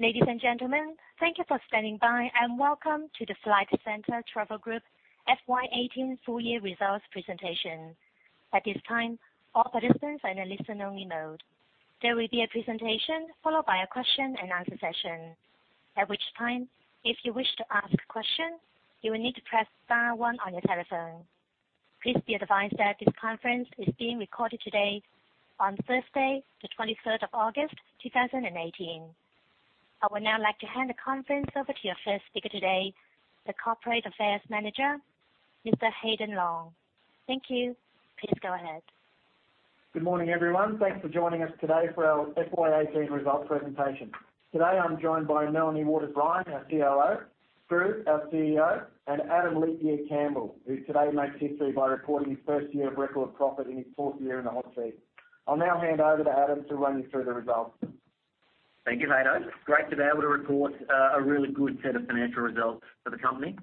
Ladies and gentlemen, thank you for standing by and welcome to the Flight Centre Travel Group FY18 Full Year Results Presentation. At this time, all participants are in a listen-only mode. There will be a presentation followed by a question-and-answer session, at which time, if you wish to ask a question, you will need to press star one on your telephone. Please be advised that this conference is being recorded today on Thursday, the 23rd of August, 2018. I would now like to hand the conference over to your first speaker today, the Corporate Affairs Manager, Mr. Haydn Long. Thank you. Please go ahead. Good morning, everyone. Thanks for joining us today for our FY18 results presentation. Today, I'm joined by Melanie Waters-Ryan, our COO, Skroo, our CEO, and Adam Campbell, who today makes history by reporting his first year of record profit in his fourth year in the hot seat. I'll now hand over to Adam to run you through the results. Thank you, Haydo. Great to be able to report a really good set of financial results for the company,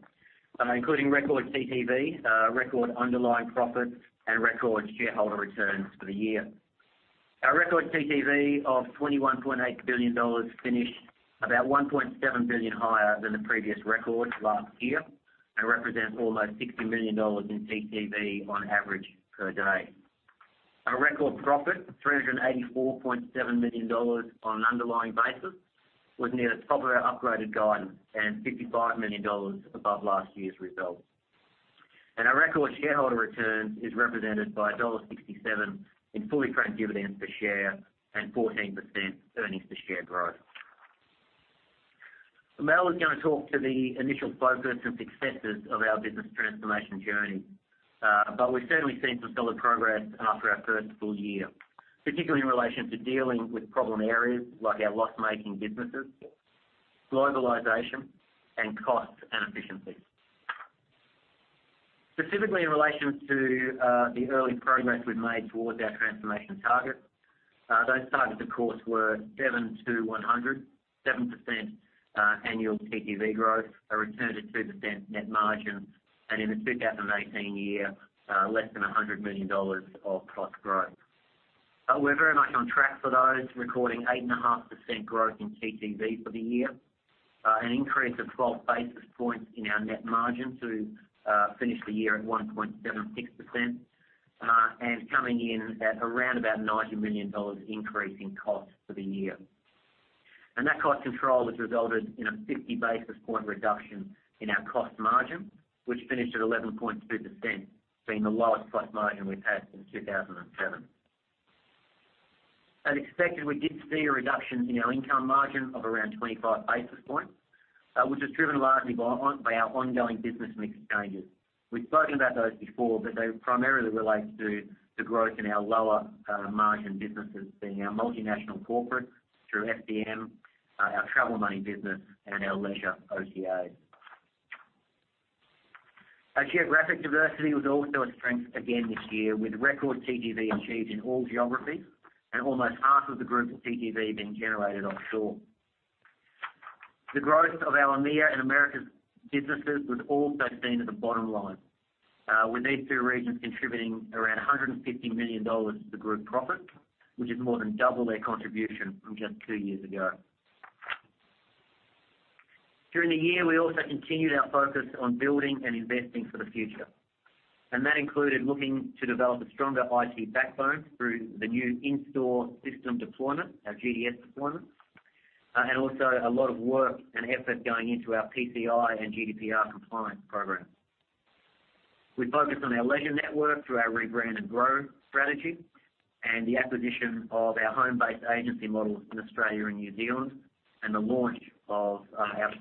including record TTV, record underlying profit, and record shareholder returns for the year. Our record TTV of 21.8 billion dollars finished about 1.7 billion higher than the previous record last year and represents almost 60 million dollars in TTV on average per day. Our record profit, 384.7 million dollars on an underlying basis, was near the top of our upgraded guidance and 55 million dollars above last year's results, and our record shareholder returns is represented by dollar 1.67 in fully franked dividends per share and 14% earnings per share growth. Mel is going to talk to the initial focus and successes of our business transformation journey, but we've certainly seen some solid progress after our first full year, particularly in relation to dealing with problem areas like our loss-making businesses, globalization, and cost and efficiency. Specifically, in relation to the early progress we've made towards our transformation targets, those targets, of course, were 7 to 10, 7% annual TTV growth, a return to 2% net margin, and in the 2018 year, less than 100 million dollars of cost growth. But we're very much on track for those, recording 8.5% growth in TTV for the year, an increase of 12 basis points in our net margin to finish the year at 1.76%, and coming in at around about a 90 million dollars increase in cost for the year. And that cost control has resulted in a 50 basis point reduction in our cost margin, which finished at 11.2%, being the lowest cost margin we've had since 2007. As expected, we did see a reduction in our income margin of around 25 basis points, which is driven largely by our ongoing business mix changes. We've spoken about those before, but they primarily relate to the growth in our lower margin businesses, being our multinational corporate through FCM, our travel money business, and our leisure OTAs. Our geographic diversity was also a strength again this year, with record TTV achieved in all geographies and almost half of the group's TTV being generated offshore. The growth of our EMEA and Americas businesses was also seen at the bottom line, with these two regions contributing around 150 million dollars to the group profit, which is more than double their contribution from just two years ago. During the year, we also continued our focus on building and investing for the future, and that included looking to develop a stronger IT backbone through the new in-store system deployment, our GDS deployment, and also a lot of work and effort going into our PCI and GDPR compliance program. We focused on our leisure network through our Rebrand and Grow strategy and the acquisition of our home-based agency models in Australia and New Zealand and the launch of our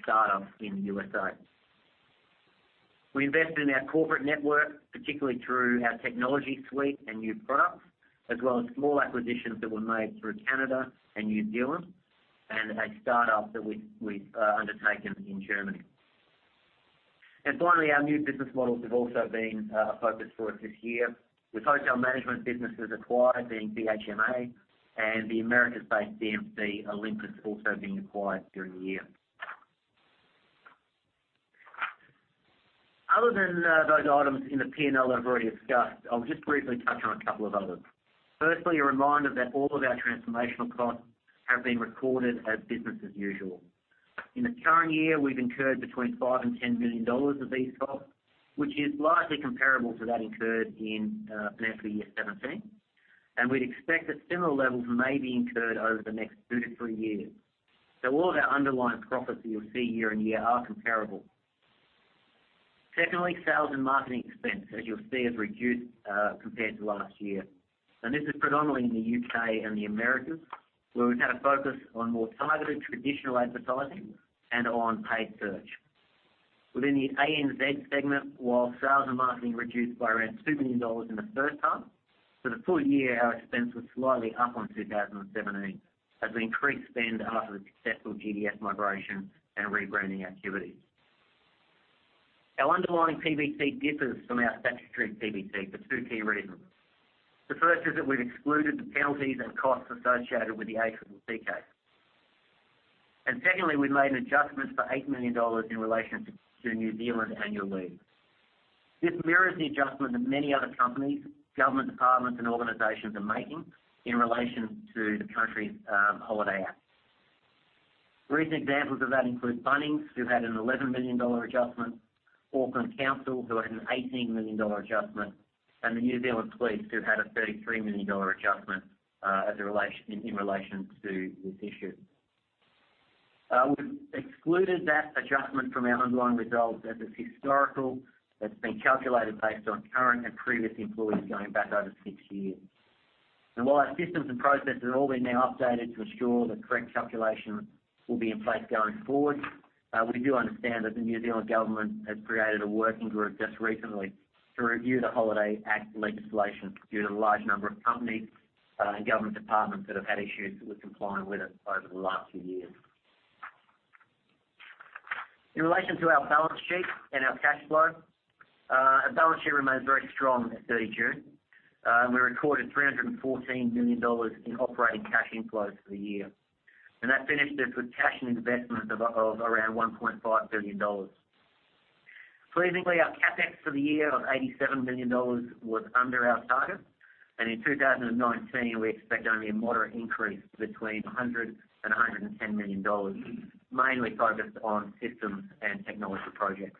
startup in the USA. We invested in our corporate network, particularly through our technology suite and new products, as well as small acquisitions that were made through Canada and New Zealand and a startup that we've undertaken in Germany. And finally, our new business models have also been a focus for us this year, with hotel management businesses acquired, being BHMA and the Americas-based DMC Olympus also being acquired during the year. Other than those items in the P&L that I've already discussed, I'll just briefly touch on a couple of others. Firstly, a reminder that all of our transformational costs have been recorded as business as usual. In the current year, we've incurred between 5 million and 10 million dollars of these costs, which is largely comparable to that incurred in financial year 2017, and we'd expect that similar levels may be incurred over the next two to three years. So all of our underlying profits that you'll see year on year are comparable. Secondly, sales and marketing expense, as you'll see, have reduced compared to last year, and this is predominantly in the U.K. and the Americas, where we've had a focus on more targeted traditional advertising and on paid search. Within the ANZ segment, while sales and marketing reduced by around 2 million dollars in the first half, for the full year, our expense was slightly up on 2017 as we increased spend after the successful GDS migration and rebranding activities. Our underlying PBT differs from our statutory PBT for two key reasons. The first is that we've excluded the penalties and costs associated with the ACCC case. And secondly, we've made an adjustment for 8 million dollars in relation to New Zealand annual leave. This mirrors the adjustment that many other companies, government departments, and organizations are making in relation to the country's Holidays Act. Recent examples of that include Bunnings, who had an 11 million dollar adjustment, Auckland Council, who had an 18 million dollar adjustment, and the New Zealand Police, who had a 33 million dollar adjustment in relation to this issue. We've excluded that adjustment from our underlying results as it's historical. It's been calculated based on current and previous employees going back over six years. And while our systems and processes have all been now updated to ensure the correct calculation will be in place going forward, we do understand that the New Zealand government has created a working group just recently to review the Holidays Act legislation due to the large number of companies and government departments that have had issues with complying with it over the last few years. In relation to our balance sheet and our cash flow, our balance sheet remains very strong at 30 June. We recorded 314 million dollars in operating cash inflows for the year, and that finished us with cash and investments of around 1.5 billion dollars. Pleasingly, our CapEx for the year of 87 million dollars was under our target, and in 2019, we expect only a moderate increase between 100 million and 110 million dollars, mainly focused on systems and technology projects.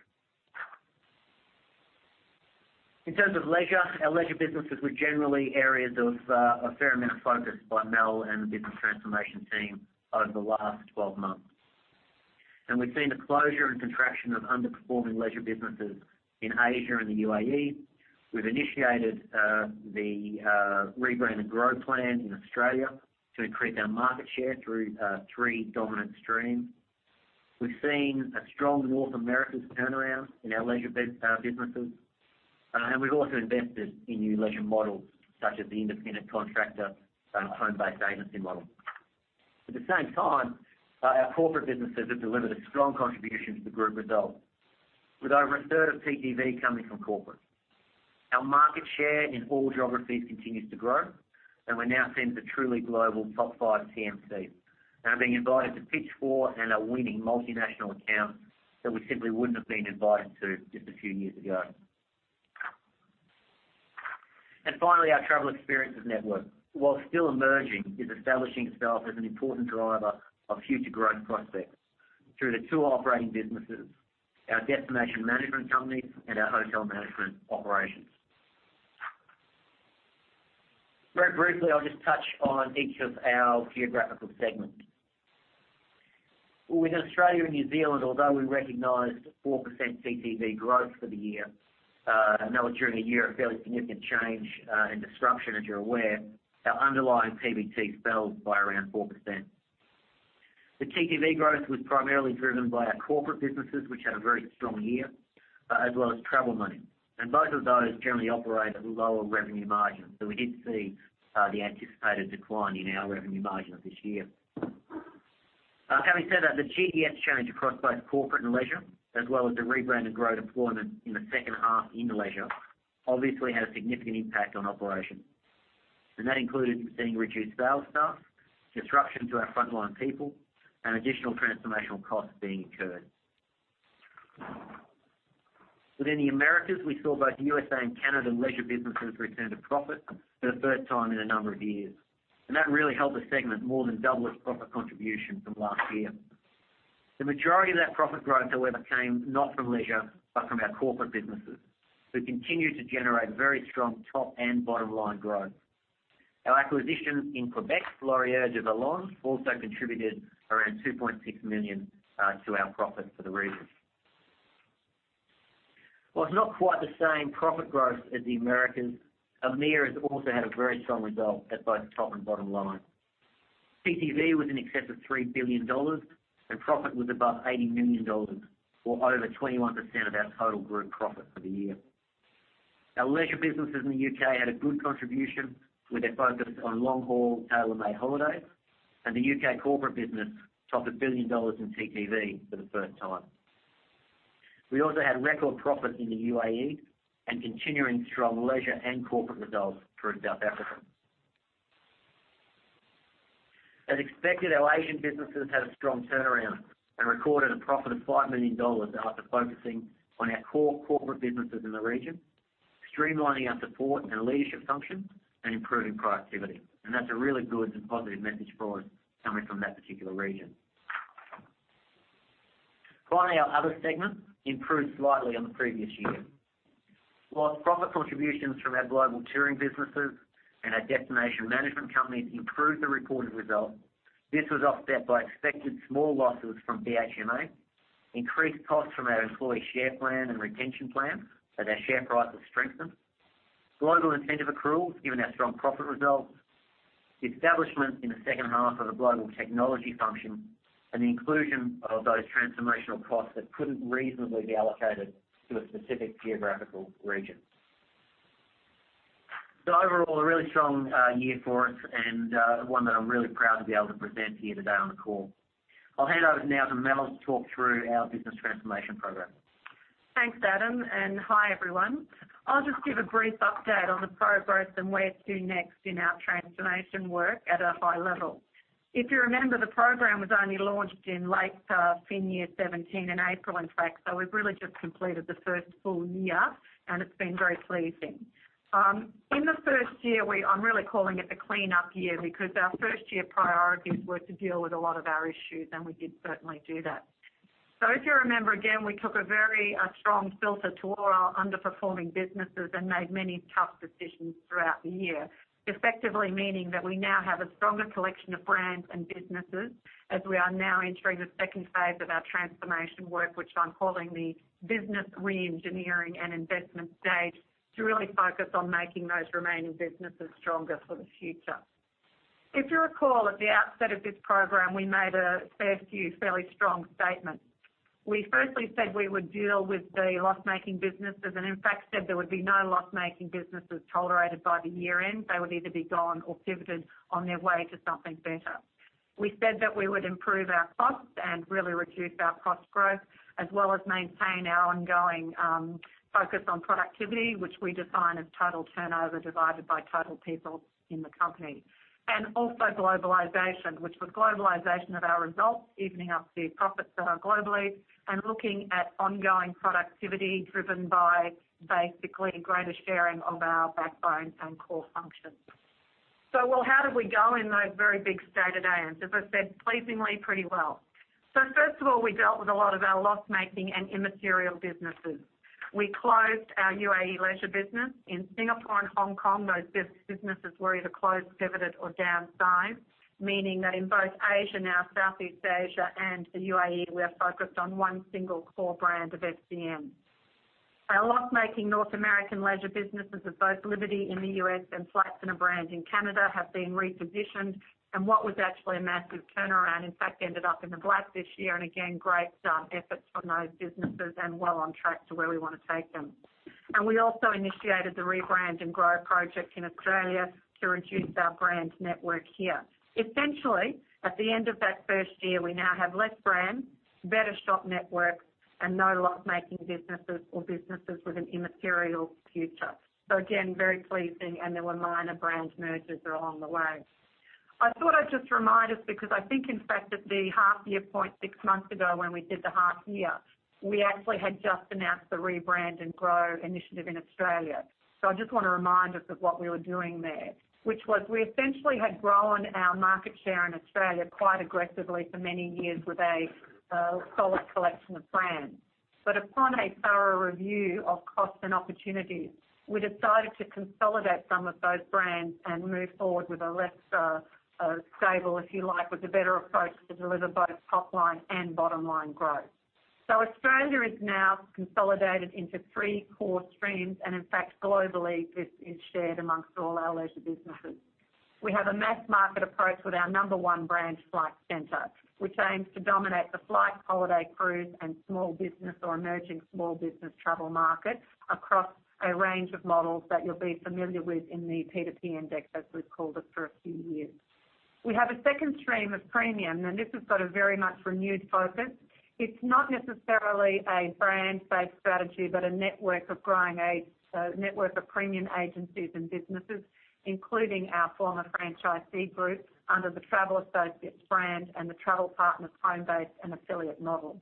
In terms of leisure, our leisure businesses were generally areas of a fair amount of focus by Mel and the business transformation team over the last 12 months, and we've seen the closure and contraction of underperforming leisure businesses in Asia and the UAE. We've initiated the Rebrand and Grow plan in Australia to increase our market share through three dominant streams. We've seen a strong North American turnaround in our leisure businesses, and we've also invested in new leisure models such as the independent contractor home-based agency model. At the same time, our corporate businesses have delivered a strong contribution to the group results, with over a third of PBT coming from corporate. Our market share in all geographies continues to grow, and we're now seen as a truly global top five TMC, being invited to pitch for and are winning multinational accounts that we simply wouldn't have been invited to just a few years ago, and finally, our travel experiences network, while still emerging, is establishing itself as an important driver of future growth prospects through the two operating businesses, our destination management companies and our hotel management operations. Very briefly, I'll just touch on each of our geographical segments. Within Australia and New Zealand, although we recognized 4% TTV growth for the year, and that was during a year of fairly significant change and disruption, as you're aware, our underlying PBT fell by around 4%. The TTV growth was primarily driven by our corporate businesses, which had a very strong year, as well as Travel Money. Both of those generally operate at lower revenue margins, so we did see the anticipated decline in our revenue margins this year. Having said that, the GDS change across both corporate and leisure, as well as the Rebrand and Grow deployment in the second half in leisure, obviously had a significant impact on operations. That included seeing reduced sales staff, disruption to our frontline people, and additional transformational costs being incurred. Within the Americas, we saw both USA and Canada leisure businesses return to profit for the first time in a number of years, and that really helped the segment more than double its profit contribution from last year. The majority of that profit growth, however, came not from leisure but from our corporate businesses, who continued to generate very strong top and bottom line growth. Our acquisition in Quebec, Laurier Du Vallon, also contributed around 2.6 million to our profits for the region. While it's not quite the same profit growth as the Americas, EMEA has also had a very strong result at both top and bottom line. TTV was in excess of 3 billion dollars, and profit was above 80 million dollars, or over 21% of our total group profit for the year. Our leisure businesses in the U.K. had a good contribution with their focus on long-haul tailor-made holidays, and the U.K. corporate business topped 1 billion dollars in TTV for the first time. We also had record profits in the UAE and continuing strong leisure and corporate results through South Africa. As expected, our Asian businesses had a strong turnaround and recorded a profit of 5 million dollars after focusing on our core corporate businesses in the region, streamlining our support and leadership functions, and improving productivity. And that's a really good and positive message for us coming from that particular region. Finally, our other segment improved slightly on the previous year. While profit contributions from our global touring businesses and our destination management companies improved the reported results, this was offset by expected small losses from BHMA, increased costs from our employee share plan and retention plan, as our share prices strengthened, global incentive accruals given our strong profit results, establishment in the second half of the global technology function, and the inclusion of those transformational costs that couldn't reasonably be allocated to a specific geographical region. So overall, a really strong year for us and one that I'm really proud to be able to present here today on the call. I'll hand over now to Mel to talk through our business transformation program. Thanks, Adam, and hi everyone. I'll just give a brief update on the progress and where to next in our transformation work at a high level. If you remember, the program was only launched in late FY 2017, in April, in fact, so we've really just completed the first full year, and it's been very pleasing. In the first year, I'm really calling it the cleanup year because our first year priorities were to deal with a lot of our issues, and we did certainly do that. So if you remember, again, we took a very strong filter to all our underperforming businesses and made many tough decisions throughout the year, effectively meaning that we now have a stronger collection of brands and businesses as we are now entering the second phase of our transformation work, which I'm calling the business re-engineering and investment stage to really focus on making those remaining businesses stronger for the future. If you recall, at the outset of this program, we made a fair few fairly strong statements. We firstly said we would deal with the loss-making businesses and, in fact, said there would be no loss-making businesses tolerated by the year end. They would either be gone or pivoted on their way to something better. We said that we would improve our costs and really reduce our cost growth, as well as maintain our ongoing focus on productivity, which we define as total turnover divided by total people in the company, and also globalization, which was globalization of our results, evening out the profits globally, and looking at ongoing productivity driven by basically greater sharing of our backbone and core function. So how did we go in those very big strategic areas? And as I said, pleasingly pretty well. So first of all, we dealt with a lot of our loss-making and immaterial businesses. We closed our UAE leisure business in Singapore and Hong Kong. Those businesses were either closed, pivoted, or downsized, meaning that in both Asia, now Southeast Asia, and the UAE, we are focused on one single core brand of FCM. Our loss-making North American leisure businesses of both Liberty in the U.S. and Flights Centre brand in Canada have been repositioned, and what was actually a massive turnaround, in fact, ended up in the black this year, and again, great efforts from those businesses and well on track to where we want to take them, and we also initiated the Rebrand and Grow project in Australia to reduce our brand network here. Essentially, at the end of that first year, we now have less brand, better shop networks, and no loss-making businesses or businesses with an immaterial future, so again, very pleasing, and there were minor brand mergers along the way. I thought I'd just remind us because I think, in fact, at the half-year point six months ago when we did the half-year, we actually had just announced the Rebrand and Grow initiative in Australia. So, I just want to remind us of what we were doing there, which was we essentially had grown our market share in Australia quite aggressively for many years with a solid collection of brands. But upon a thorough review of costs and opportunities, we decided to consolidate some of those brands and move forward with a less stable, if you like, with a better approach to deliver both top-line and bottom-line growth. So Australia is now consolidated into three core streams, and in fact, globally, this is shared amongst all our leisure businesses. We have a mass market approach with our number one brand, Flight Centre, which aims to dominate the flight, holiday, cruise, and small business or emerging small business travel market across a range of models that you'll be familiar with in the P2P index, as we've called it for a few years. We have a second stream of premium, and this has got a very much renewed focus. It's not necessarily a brand-based strategy but a network of growing agents, a network of premium agencies and businesses, including our former franchisee group under the Travel Associates brand and the Travel Partners home-based and affiliate model,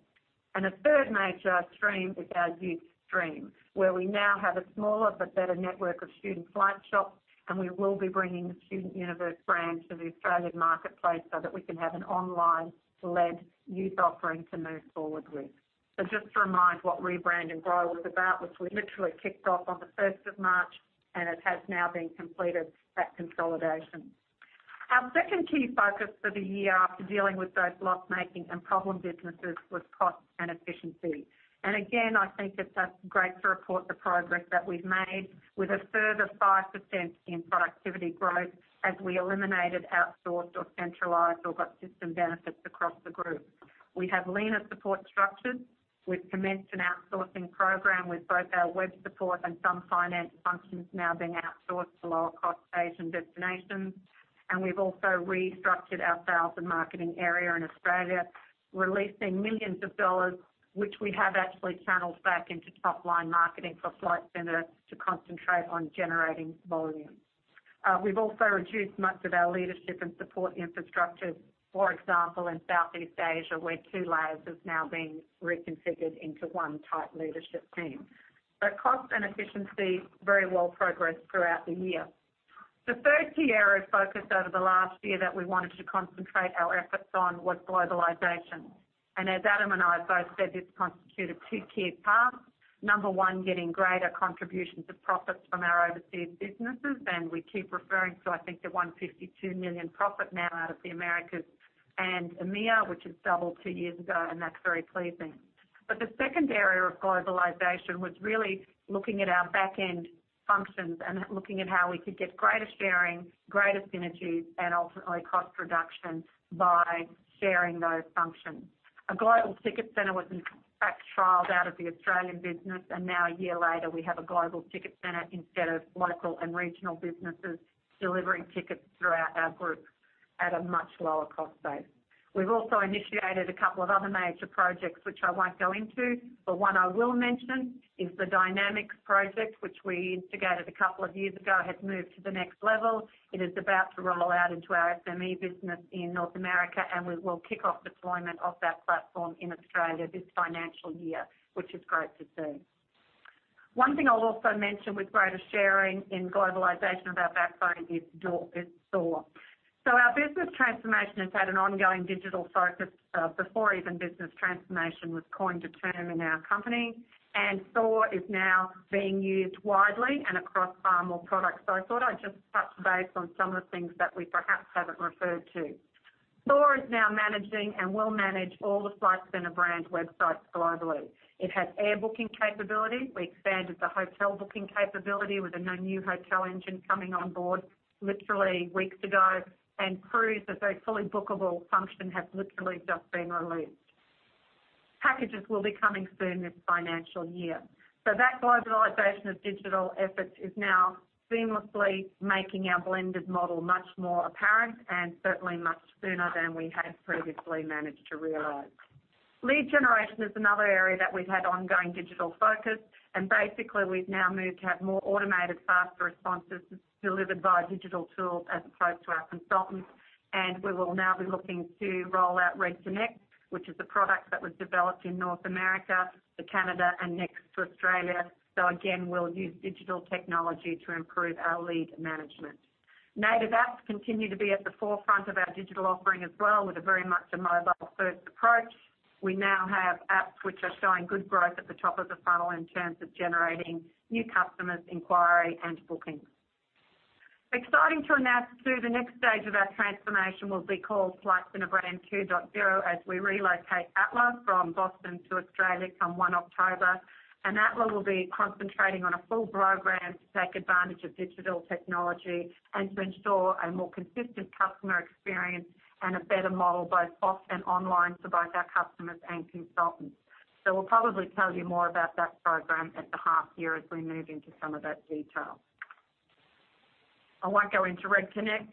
and a third major stream is our youth stream, where we now have a smaller but better network of Student Flight shops, and we will be bringing the Student Universe brand to the Australian marketplace so that we can have an online-led youth offering to move forward with, so just to remind what Rebrand and Grow was about, which we literally kicked off on the 1st of March, and it has now been completed at consolidation. Our second key focus for the year after dealing with those loss-making and problem businesses was cost and efficiency. And again, I think it's great to report the progress that we've made with a further 5% in productivity growth as we eliminated outsourced or centralized or got system benefits across the group. We have leaner support structures, having commenced an outsourcing program with both our web support and some finance functions now being outsourced to lower-cost Asian destinations. And we've also restructured our sales and marketing area in Australia, releasing millions of dollars, which we have actually channeled back into top-line marketing for Flight Centre to concentrate on generating volume. We've also reduced much of our leadership and support infrastructure, for example, in Southeast Asia, where two layers have now been reconfigured into one tight leadership team. But cost and efficiency very well progressed throughout the year. The third key area of focus over the last year that we wanted to concentrate our efforts on was globalization. As Adam and I have both said, this constituted two key paths. Number one, getting greater contributions of profits from our overseas businesses, and we keep referring to, I think, the 152 million profit now out of the Americas and EMEA, which has doubled two years ago, and that's very pleasing. The second area of globalization was really looking at our backend functions and looking at how we could get greater sharing, greater synergies, and ultimately cost reduction by sharing those functions. A global ticket centre was, in fact, trialed out of the Australian business, and now, a year later, we have a global ticket centre instead of local and regional businesses delivering tickets throughout our group at a much lower cost base. We've also initiated a couple of other major projects, which I won't go into. The one I will mention is the Dynamics project, which we instigated a couple of years ago, has moved to the next level. It is about to roll out into our SME business in North America, and we will kick off deployment of that platform in Australia this financial year, which is great to see. One thing I'll also mention with greater sharing in globalization of our backbone is SOAR. So our business transformation has had an ongoing digital focus before even business transformation was coined a term in our company, and SOAR is now being used widely and across far more products. So I thought I'd just touch base on some of the things that we perhaps haven't referred to. SOAR is now managing and will manage all the Flight Centre brand websites globally. It has air booking capability. We expanded the hotel booking capability with a new hotel engine coming on board literally weeks ago, and cruise, a very fully bookable function, has literally just been released. Packages will be coming soon this financial year. So that globalization of digital efforts is now seamlessly making our blended model much more apparent and certainly much sooner than we had previously managed to realize. Lead generation is another area that we've had ongoing digital focus, and basically, we've now moved to have more automated, faster responses delivered by digital tools as opposed to our consultants. And we will now be looking to roll out Red Connect, which is a product that was developed in North America, Canada, and next to Australia. So again, we'll use digital technology to improve our lead management. Native apps continue to be at the forefront of our digital offering as well with a very much a mobile-first approach. We now have apps which are showing good growth at the top of the funnel in terms of generating new customers, inquiry, and bookings. Exciting to announce, too, the next stage of our transformation will be called Flight Centre Brand 2.0 as we relocate Atle from Boston to Australia come 1 October, and Atle will be concentrating on a full program to take advantage of digital technology and to ensure a more consistent customer experience and a better model both off and online for both our customers and consultants, so we'll probably tell you more about that program at the half-year as we move into some of that detail. I won't go into Red Connect.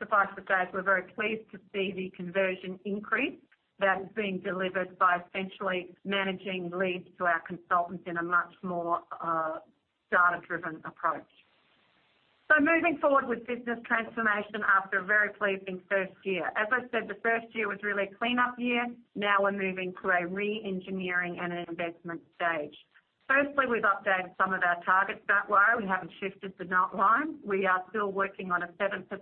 Suffice to say, we're very pleased to see the conversion increase that is being delivered by essentially managing leads to our consultants in a much more data-driven approach, so moving forward with business transformation after a very pleasing first year. As I said, the first year was really a cleanup year. Now we're moving to a re-engineering and an investment stage. Firstly, we've updated some of our targets that way. We haven't shifted the nut line. We are still working on a 7% per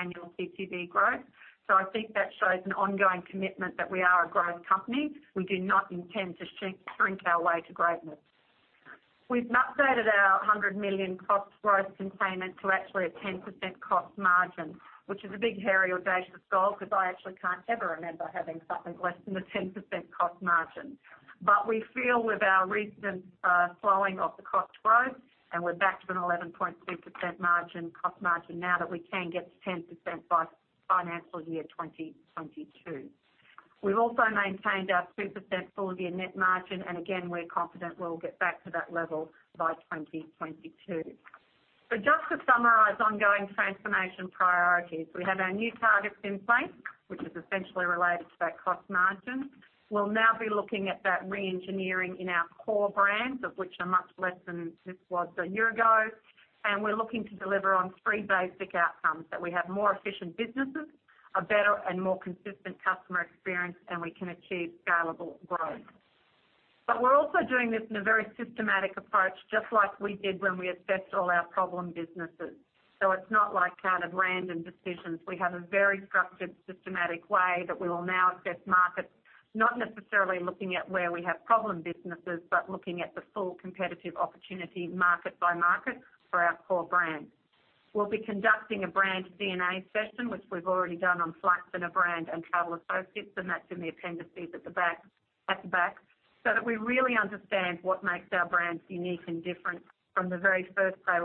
annual PPV growth. So I think that shows an ongoing commitment that we are a growth company. We do not intend to shrink our way to greatness. We've updated our 100 million cost growth containment to actually a 10% cost margin, which is a big hairy audacious goal because I actually can't ever remember having something less than a 10% cost margin. We feel with our recent slowing of the cost growth, and we're back to an 11.2% cost margin now that we can get to 10% by financial year 2022. We've also maintained our 2% full-year net margin, and again, we're confident we'll get back to that level by 2022. Just to summarize ongoing transformation priorities, we have our new targets in place, which is essentially related to that cost margin. We'll now be looking at that re-engineering in our core brands, of which are much less than this was a year ago. We're looking to deliver on three basic outcomes: that we have more efficient businesses, a better and more consistent customer experience, and we can achieve scalable growth. We're also doing this in a very systematic approach, just like we did when we assessed all our problem businesses. So it's not like kind of random decisions. We have a very structured, systematic way that we will now assess markets, not necessarily looking at where we have problem businesses, but looking at the full competitive opportunity market by market for our core brand. We'll be conducting a brand DNA session, which we've already done on Flight Centre Brand and Travel Associates, and that's in the appendices at the back. So that we really understand what makes our brands unique and different from the very first day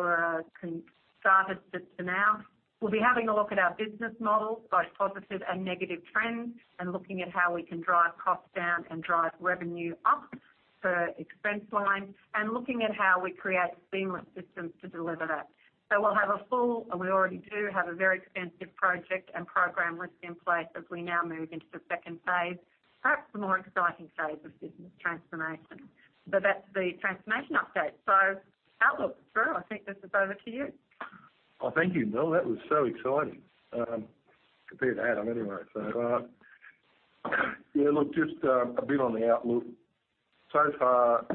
we started to now. We'll be having a look at our business model, both positive and negative trends, and looking at how we can drive costs down and drive revenue up per expense line, and looking at how we create seamless systems to deliver that. So we'll have a full, and we already do have a very extensive project and program list in place as we now move into the second phase, perhaps the more exciting phase of business transformation. So that's the transformation update. So, outlook. Skroo, I think this is over to you. Well, thank you, Mel. That was so exciting compared to Adam anyway. So yeah, look, just a bit on the outlook. So far,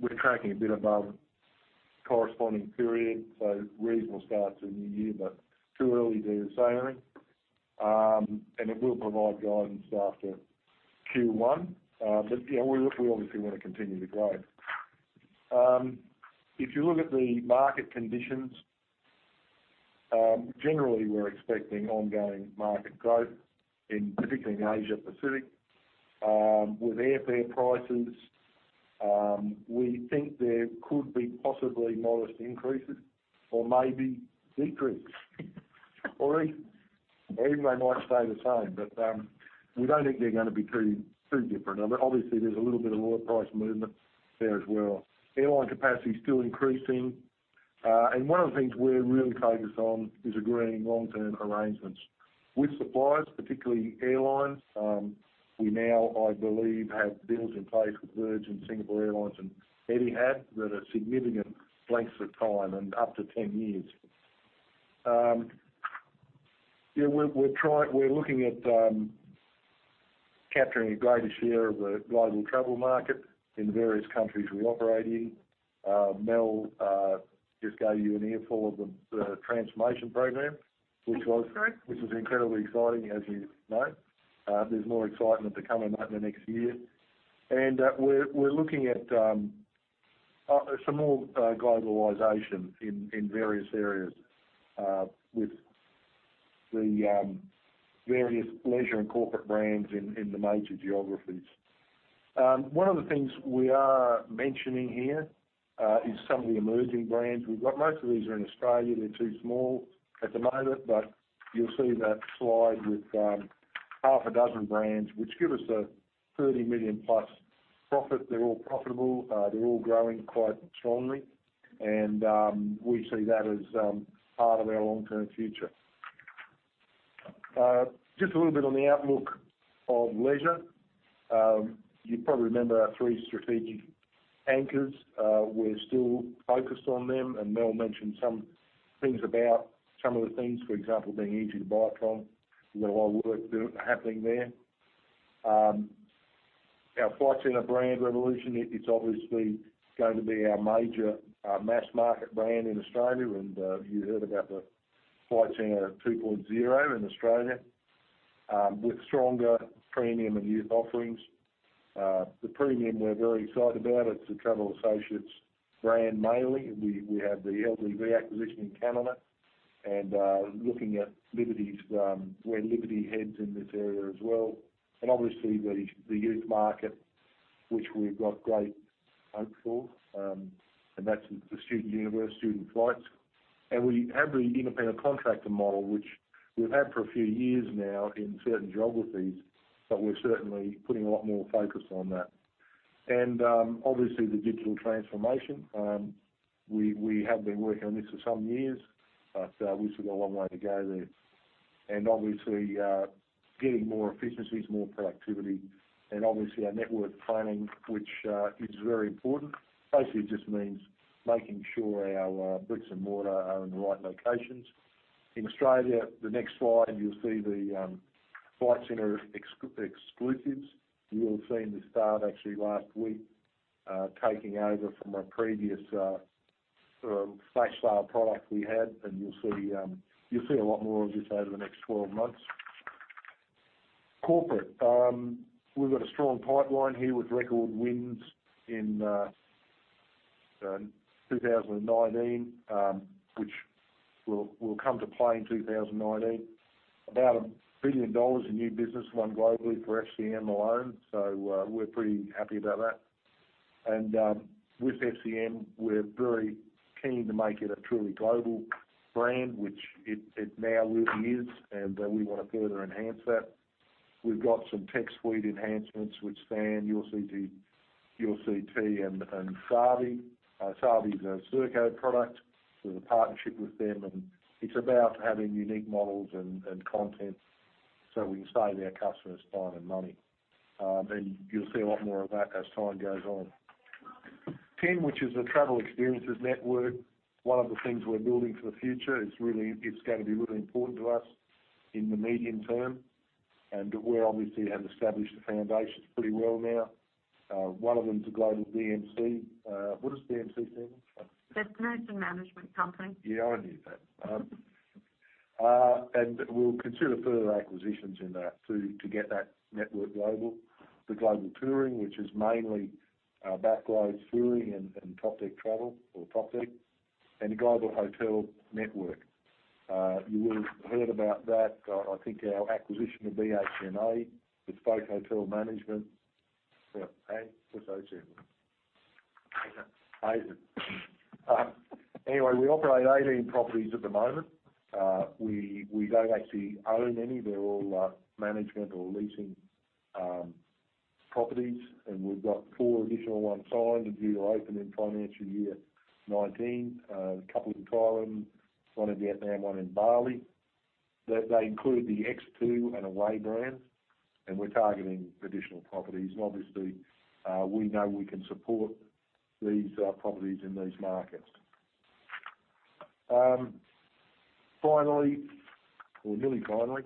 we're tracking a bit above corresponding period, so reasonable start to the new year, but too early to do the same. And it will provide guidance after Q1. But yeah, we obviously want to continue to grow. If you look at the market conditions, generally, we're expecting ongoing market growth, particularly in Asia-Pacific. With airfare prices, we think there could be possibly modest increases or maybe decreases, or even they might stay the same. But we don't think they're going to be too different. Obviously, there's a little bit of oil price movement there as well. Airline capacity is still increasing. And one of the things we're really focused on is agreeing long-term arrangements with suppliers, particularly airlines. We now, I believe, have deals in place with Virgin and Singapore Airlines and Etihad that are significant lengths of time and up to 10 years. Yeah, we're looking at capturing a greater share of the global travel market in the various countries we operate in. Mel just gave you an earful of the transformation program, which was incredibly exciting, as you know. There's more excitement to come in the next year. And we're looking at some more globalization in various areas with the various leisure and corporate brands in the major geographies. One of the things we are mentioning here is some of the emerging brands. Most of these are in Australia. They're too small at the moment, but you'll see that slide with half a dozen brands, which give us a 30 million-plus profit. They're all profitable. They're all growing quite strongly. And we see that as part of our long-term future. Just a little bit on the outlook of leisure. You probably remember our three strategic anchors. We're still focused on them. And Mel mentioned some things about some of the things, for example, being easier to buy from. We've got a lot of work happening there. Our Flight Centre Brand 2.0, it's obviously going to be our major mass market brand in Australia. And you heard about the Flight Centre 2.0 in Australia with stronger premium and youth offerings. The premium, we're very excited about. It's the Travel Associates brand mainly. We have the LDV acquisition in Canada. And looking at Liberty, where Liberty heads in this area as well. And obviously, the youth market, which we've got great hope for. And that's the Student Universe, Student Flights. And we have the independent contractor model, which we've had for a few years now in certain geographies, but we're certainly putting a lot more focus on that. And obviously, the digital transformation. We have been working on this for some years, but we still got a long way to go there. And obviously, getting more efficiencies, more productivity. And obviously, our network planning, which is very important. Basically, it just means making sure our bricks and mortar are in the right locations. In Australia, the next slide, you'll see the Flight Centre Exclusives. You will see the start, actually, last week taking over from a previous flash sale product we had. You'll see a lot more of this over the next 12 months. Corporate, we've got a strong pipeline here with record wins in 2019, which will come into play in 2019. About 1 billion dollars in new business won globally for FCM alone. So we're pretty happy about that. With FCM, we're very keen to make it a truly global brand, which it now really is, and we want to further enhance that. We've got some tech suite enhancements with Sam, UCT, and Savi. Savi is a Serko product. We have a partnership with them, and it's about having unique models and content so we can save our customers time and money. You'll see a lot more of that as time goes on. TIN, which is the Travel Experiences Network, one of the things we're building for the future is going to be really important to us in the medium term. And we obviously have established the foundations pretty well now. One of them is a global DMC. What does DMC stand for? Business and Management Company. Yeah, I knew that. And we'll consider further acquisitions in that to get that network global. The Global Touring, which is mainly Back-Roads Touring and Topdeck Travel or Topdeck. And the Global Hotel Network. You will have heard about that. I think our acquisition of BHMA with both hotel management. Hey, what's HM? Hazard. Hazard. Anyway, we operate 18 properties at the moment. We don't actually own any. They're all management or leasing properties. And we've got four additional ones signed and due to open in financial year 2019. A couple in Thailand, one in Vietnam, one in Bali. They include the X2 and Away brands. We're targeting additional properties. Obviously, we know we can support these properties in these markets. Finally, or nearly finally,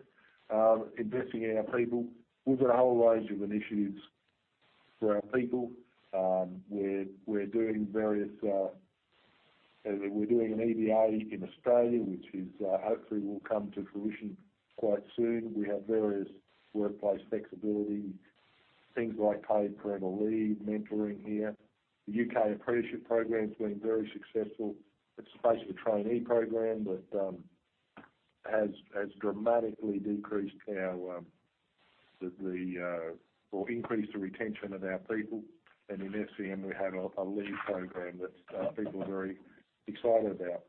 investing in our people. We've got a whole range of initiatives for our people. We're doing an EBA in Australia, which is hopefully will come to fruition quite soon. We have various workplace flexibility, things like paid parental leave, mentoring here. The U.K. Apprenticeship Program has been very successful. It's basically a trainee program that has dramatically increased the retention of our people. In FCM, we have a league program that people are very excited about.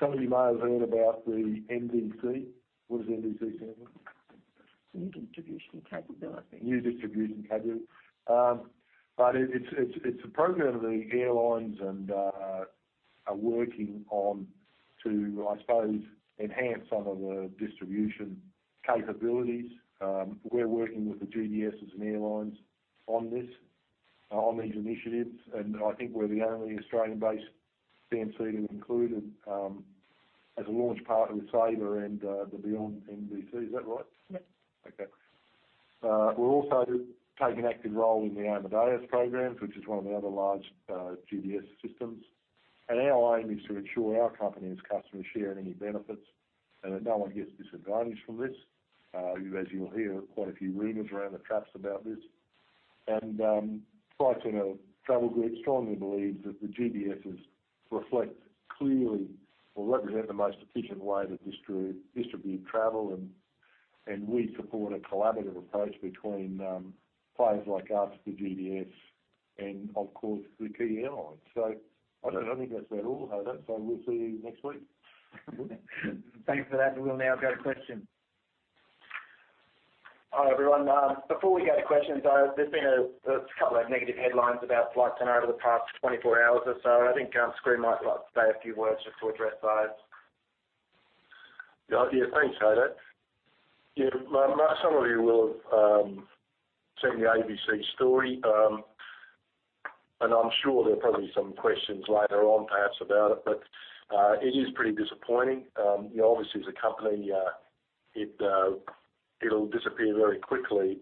Some of you may have heard about the NDC. What does NDC stand for? New Distribution Capabilities. But it's a program the airlines are working on to, I suppose, enhance some of the distribution capabilities. We're working with the GDSs and airlines on these initiatives. And I think we're the only Australian-based DMC that included as a launch part with Sabre and the Beyond NDC. Is that right? Yes. Okay. We're also taking an active role in the Amadeus program, which is one of the other large GDS systems. And our aim is to ensure our company and its customers share any benefits and that no one gets disadvantaged from this. As you'll hear, quite a few rumors around the traps about this. And Flight Centre Travel Group strongly believes that the GDSs reflect clearly or represent the most efficient way to distribute travel. And we support a collaborative approach between players like us, the GDS, and of course, the key airlines. I think that's about all, Haydn. We'll see you next week. Thanks for that. We'll now go to questions. Hi, everyone. Before we go to questions, there's been a couple of negative headlines about Flight Centre over the past 24 hours or so. I think Skroo might like to say a few words just to address those. Yeah, thanks, Haydn. Some of you will have seen the ABC story. I'm sure there'll probably be some questions later on, perhaps, about it. It is pretty disappointing. Obviously, as a company, it'll disappear very quickly.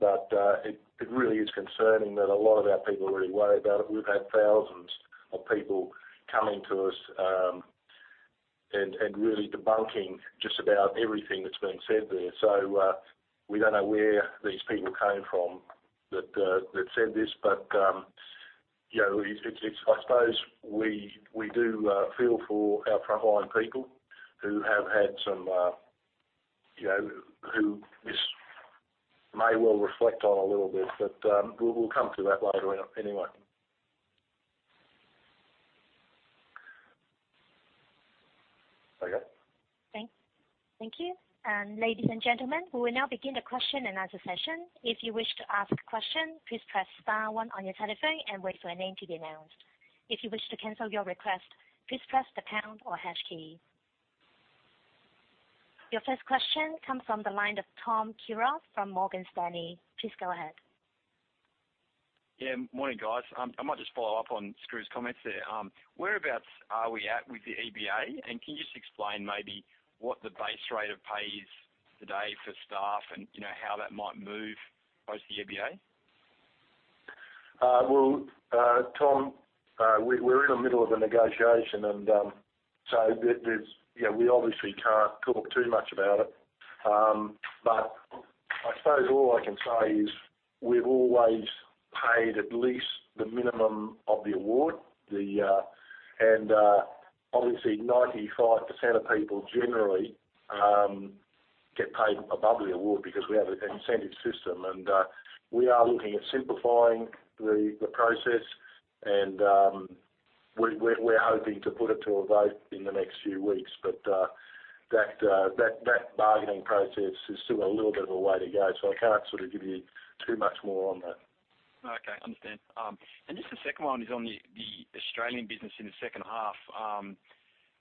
It really is concerning that a lot of our people really worry about it. We've had thousands of people coming to us and really debunking just about everything that's been said there. We don't know where these people came from that said this. But I suppose we do feel for our frontline people who have had some. Who this may well reflect on a little bit. But we'll come to that later anyway. Okay. Thank you. Ladies and gentlemen, we will now begin the question and answer session. If you wish to ask a question, please press star one on your telephone and wait for your name to be announced. If you wish to cancel your request, please press the pound or hash key. Your first question comes from the line of Tom Kierath from Morgan Stanley. Please go ahead. Yeah, morning, guys. I might just follow up on Screw's comments there. Where abouts are we at with the EBA? And can you just explain maybe what the base rate of pay is today for staff and how that might move post-EBA? Well, Tom, we're in the middle of a negotiation. And so we obviously can't talk too much about it. But I suppose all I can say is we've always paid at least the minimum of the award. And obviously, 95% of people generally get paid above the award because we have an incentive system. And we are looking at simplifying the process. And we're hoping to put it to a vote in the next few weeks. But that bargaining process is still a little bit of a way to go. So I can't sort of give you too much more on that. Okay, understand. And just the second one is on the Australian business in the second half.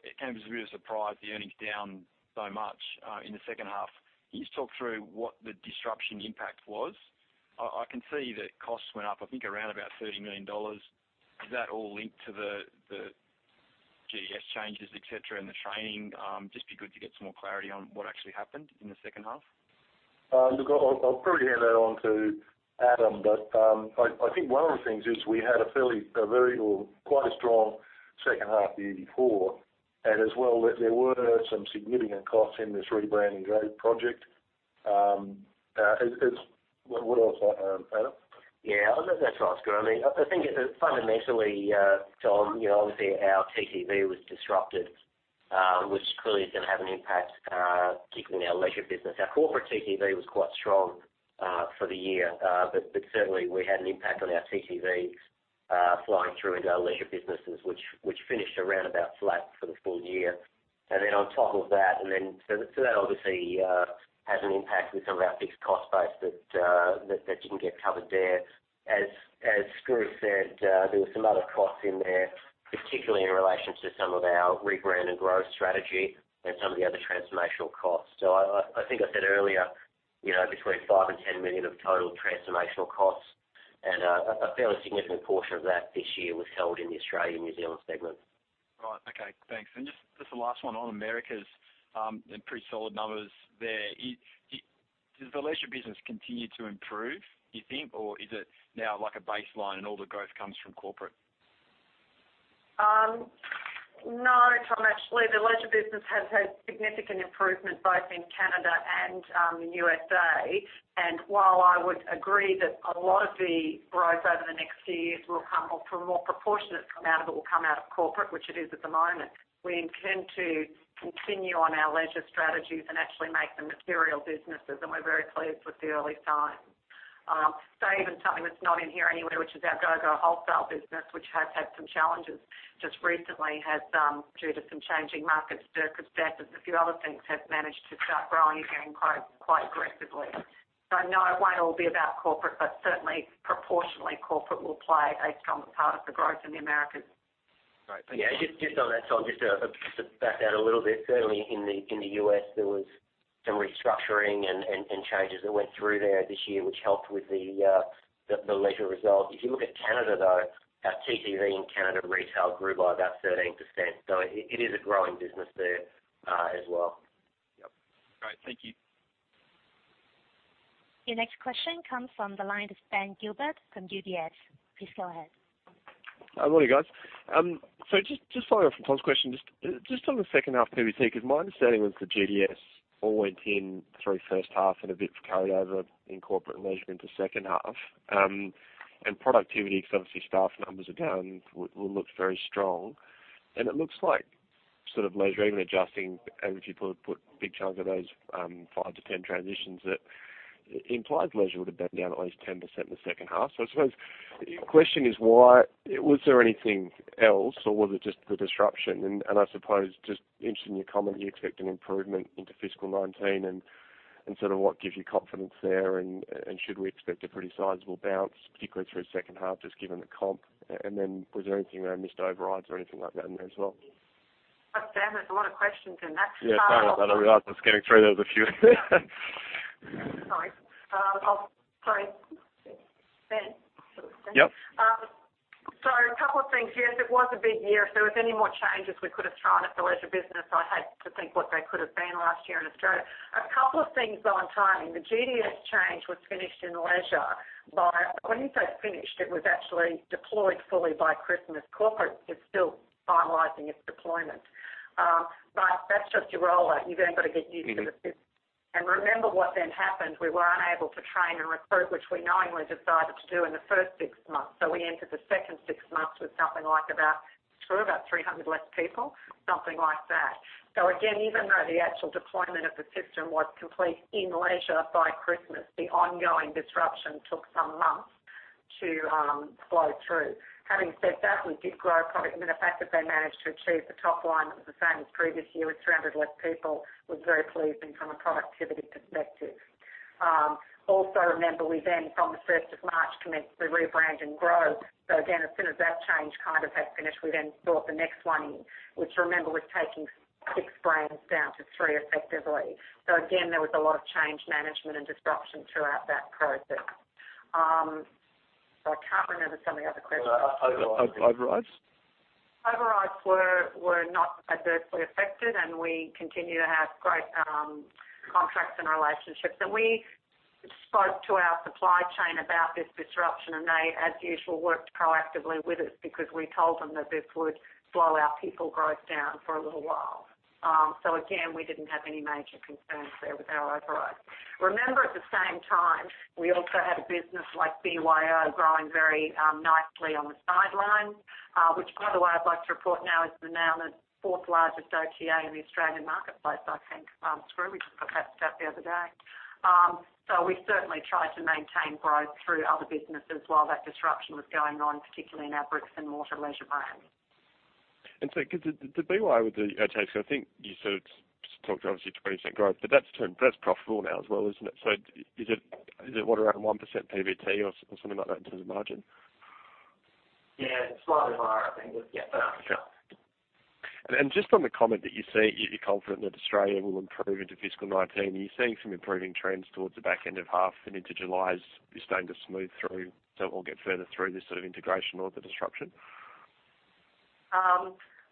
It came as a real surprise, the earnings down so much in the second half. Can you just talk through what the disruption impact was? I can see that costs went up, I think, around about 30 million dollars. Is that all linked to the GDS changes, etc., and the training? Just be good to get some more clarity on what actually happened in the second half. Look, I'll probably hand that on to Adam. But I think one of the things is we had a fairly or quite a strong second half the year before. And as well, there were some significant costs in this rebranding project. What else? Adam? Yeah, that's right, Skroo. I mean, I think fundamentally, Tom, obviously, our TTV was disrupted, which clearly is going to have an impact, particularly in our leisure business. Our corporate TTV was quite strong for the year. But certainly, we had an impact on our TTV flying through into our leisure businesses, which finished around about flat for the full year. And then on top of that, and then so that obviously has an impact with some of our fixed cost base that didn't get covered there. As Skroo said, there were some other costs in there, particularly in relation to some of our rebrand and growth strategy and some of the other transformational costs. So I think I said earlier, between 5 million and 10 million of total transformational costs. And a fairly significant portion of that this year was held in the Australia-New Zealand segment. Right, okay. Thanks. And just the last one on Americas and pretty solid numbers there. Does the leisure business continue to improve, do you think? Or is it now like a baseline and all the growth comes from corporate? No, Tom, actually. The leisure business has had significant improvement both in Canada and in the USA. And while I would agree that a lot of the growth over the next few years will come, or more proportionately will come out of corporate, which it is at the moment, we intend to continue on our leisure strategies and actually make them material businesses. And we're very pleased with the early signs. Say, even something that's not in here anyway, which is our GOGO Vacations business, which has had some challenges just recently due to some changing market circumstances. A few other things have managed to start growing again quite aggressively. So no, it won't all be about corporate, but certainly, proportionately, corporate will play a stronger part of the growth in the Americas. Great. Thank you. Yeah, just on that, Tom, just to back out a little bit. Certainly, in the U.S., there was some restructuring and changes that went through there this year, which helped with the leisure result. If you look at Canada, though, our TTV in Canada retail grew by about 13%. So it is a growing business there as well. Yep. Great. Thank you. Your next question comes from the line of Ben Gilbert from UBS. Please go ahead. Hi, morning, guys. So just following up from Tom's question, just on the second half PBT, because my understanding was the GDS all went in through first half and a bit carried over in corporate leisure into second half. And productivity, because obviously, staff numbers are down, will look very strong. And it looks like sort of leisure, even adjusting people who put big chunks of those 5-10 transitions, that implies leisure would have been down at least 10% in the second half. So I suppose the question is, was there anything else, or was it just the disruption? And I suppose, just interested in your comment, you expect an improvement into fiscal 2019 and sort of what gives you confidence there? And should we expect a pretty sizable bounce, particularly through second half, just given the comp? And then was there anything around missed overrides or anything like that in there as well? I've found there's a lot of questions in that. Yeah, sorry about that. I realized I was getting through those a few. Sorry. Sorry. Yep. So a couple of things. Yes, it was a big year. If there was any more changes, we could have thrown at the leisure business. I had to think what they could have been last year in Australia. A couple of things on timing. The GDS change was finished in leisure by, when you say finished, it was actually deployed fully by Christmas. Corporate is still finalizing its deployment. But that's just your rollout. You've then got to get used to the system. And remember what then happened. We were unable to train and recruit, which we knowingly decided to do in the first six months. So we entered the second six months with something like about, Skroo, about 300 less people, something like that. So again, even though the actual deployment of the system was complete in leisure by Christmas, the ongoing disruption took some months to flow through. Having said that, we did grow product. I mean, the fact that they managed to achieve the top line that was the same as previous year with 300 less people was very pleasing from a productivity perspective. Also, remember, we then, from the 1st of March, commenced the Rebrand and Grow. So again, as soon as that change kind of had finished, we then brought the next one in, which, remember, was taking six brands down to three effectively. So again, there was a lot of change management and disruption throughout that process. So I can't remember some of the other questions. Overrides? Overrides were not adversely affected. And we continue to have great contracts and relationships. And we spoke to our supply chain about this disruption. And they, as usual, worked proactively with us because we told them that this would slow our people growth down for a little while. So again, we didn't have any major concerns there with our overrides. Remember, at the same time, we also had a business like BYO growing very nicely on the sidelines, which, by the way, I'd like to report now is now the fourth largest OTA in the Australian marketplace, I think, Skroo. We just got that stuff the other day. So we certainly tried to maintain growth through other businesses while that disruption was going on, particularly in our bricks and mortar leisure brands. And so because the BYO with the OTAs, because I think you sort of talked to, obviously, 20% growth, but that's profitable now as well, isn't it? So is it what, around 1% PBT or something like that in terms of margin? Yeah, slightly higher, I think. Yeah, fair. And just from the comment that you're saying, you're confident that Australia will improve into fiscal 2019. Are you seeing some improving trends towards the back end of half and into July's? You're staying to smooth through till we'll get further through this sort of integration or the disruption?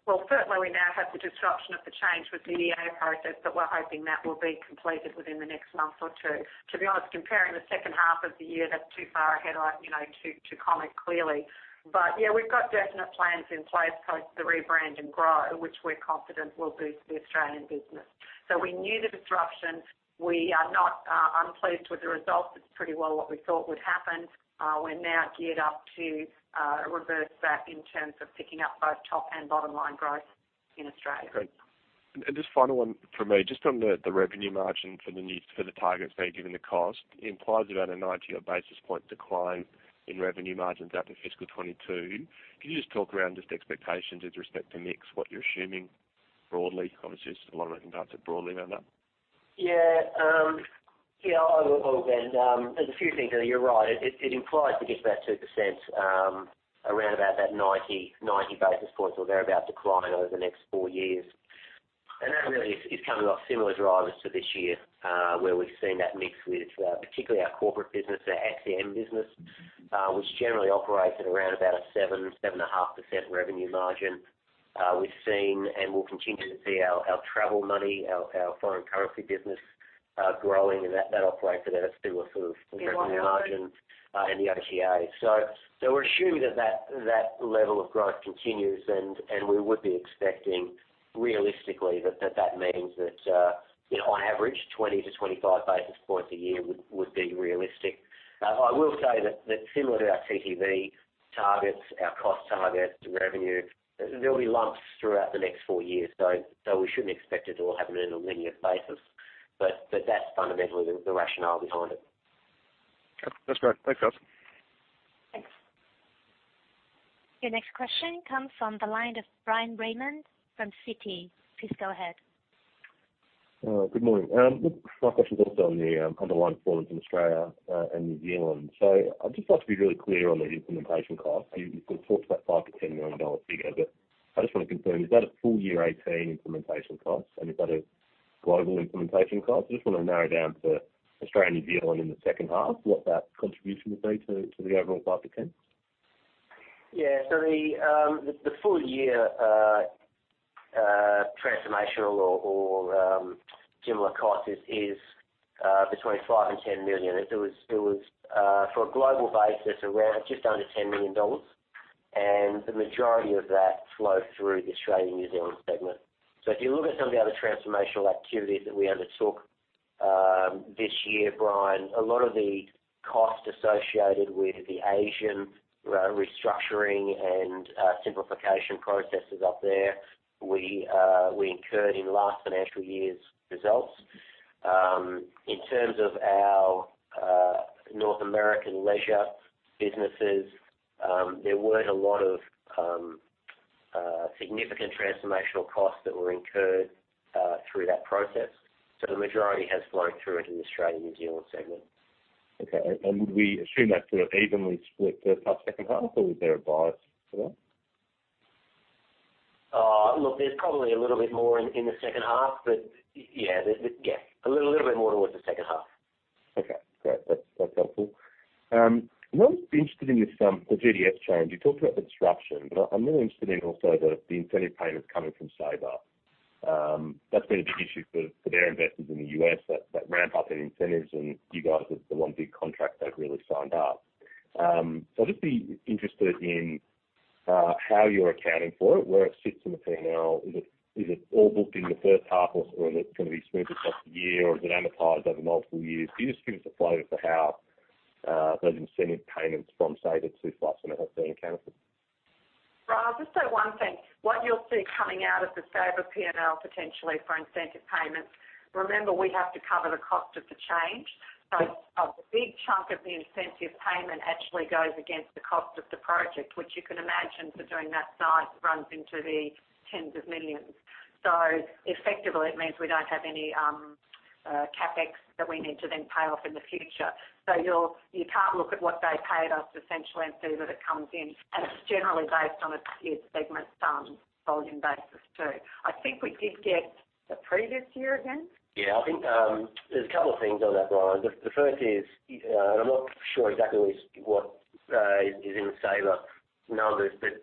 Well, certainly, we now have the disruption of the change with the EBA process, but we're hoping that will be completed within the next month or two. To be honest, comparing the second half of the year, that's too far ahead to comment clearly. But yeah, we've got definite plans in place post the Rebrand and Grow, which we're confident will boost the Australian business. So we knew the disruption. We are not unpleased with the results. It's pretty well what we thought would happen. We're now geared up to reverse that in terms of picking up both top and bottom line growth in Australia. Great. And just final one for me. Just on the revenue margin for the targets there, given the cost, it implies about a 90 basis point decline in revenue margins out to fiscal 2022. Could you just talk around just expectations with respect to mix what you're assuming broadly? Obviously, there's a lot of unknowns broadly around that. Yeah. Yeah, I will. And there's a few things there. You're right. It implies we get about 2%, around about that 90 basis points or thereabout decline over the next four years. And that really is coming off similar drivers to this year where we've seen that mix with particularly our corporate business, our FCM business, which generally operates at around about a 7-7.5% revenue margin. We've seen and will continue to see our travel money, our foreign currency business growing, and that operates at a similar sort of revenue margin and the OTA, so we're assuming that that level of growth continues, and we would be expecting, realistically, that that means that, on average, 20-25 basis points a year would be realistic. I will say that similar to our TTV targets, our cost targets, revenue, there'll be lumps throughout the next four years, so we shouldn't expect it all happening on a linear basis, but that's fundamentally the rationale behind it. Yep. That's great. Thanks, guys. Thanks. Your next question comes from the line of Bryan Raymond from Citi. Please go ahead. Good morning. My question's also on the underlying performance in Australia and New Zealand, so I'd just like to be really clear on the implementation cost. You've sort of talked about 5-10 million dollars figure. But I just want to confirm, is that a full year 2018 implementation cost? And is that a global implementation cost? I just want to narrow down to Australia, New Zealand in the second half, what that contribution would be to the overall 5-10? Yeah. So the full year transformational or similar cost is between 5 and 10 million. It was, for a global basis, around just under 10 million dollars. And the majority of that flowed through the Australia-New Zealand segment. So if you look at some of the other transformational activities that we undertook this year, Bryan, a lot of the cost associated with the Asian restructuring and simplification processes up there we incurred in last financial year's results. In terms of our North American leisure businesses, there weren't a lot of significant transformational costs that were incurred through that process. So the majority has flowed through into the Australia-New Zealand segment. Okay. And would we assume that's sort of evenly split first half, second half? Or was there a bias for that? Look, there's probably a little bit more in the second half. But yeah, yeah. A little bit more towards the second half. Okay. Great. That's helpful. I'm interested in the GDS change. You talked about the disruption. But I'm really interested in also the incentive payments coming from Sabre. That's been a big issue for their investors in the U.S., that ramp-up in incentives. And you guys are the one big contract they've really signed up. So I'd just be interested in how you're accounting for it, where it sits in the P&L. Is it all booked in the first half? Or is it going to be smooth across the year? Or is it amortized over multiple years? Could you just give us a flavor for how those incentive payments from Sabre to FCM and the rest being accounted for? Right. I'll just say one thing. What you'll see coming out of the Sabre P&L potentially for incentive payments, remember, we have to cover the cost of the change. So a big chunk of the incentive payment actually goes against the cost of the project, which you can imagine for doing that size runs into the tens of millions. So effectively, it means we don't have any CapEx that we need to then pay off in the future. So you can't look at what they paid us essentially and see that it comes in. And it's generally based on a year's segment volume basis too. I think we did get the previous year again? Yeah. I think there's a couple of things on that, Bryan. The first is, and I'm not sure exactly what is in Sabre's numbers, but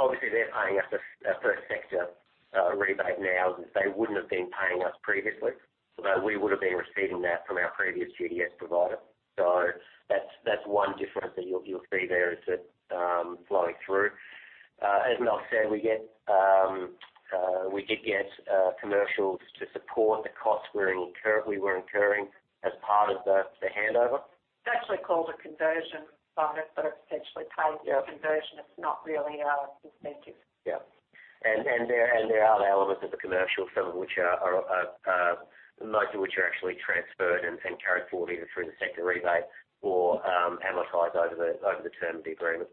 obviously, they're paying us a per sector rebate now that they wouldn't have been paying us previously. Although we would have been receiving that from our previous GDS provider. So that's one difference that you'll see there is that flowing through. As Mel said, we did get commercials to support the costs we were incurring as part of the handover. It's actually called a conversion bonus, but it's essentially paid for the conversion. It's not really an incentive. Yeah. There are the elements of the commercial, most of which are actually transferred and carried forward either through the sector rebate or amortized over the term of the agreement.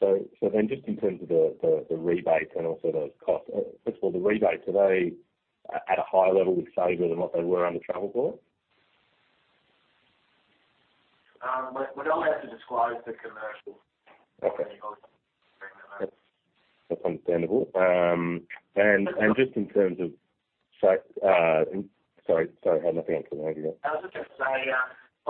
So then, just in terms of the rebates and also those costs, first of all, the rebates, are they at a higher level with Sabre than what they were under Travelport? We're not allowed to disclose the commercials anymore. That's understandable. Just in terms of, sorry, sorry, I had nothing else in my head here. I was just going to say,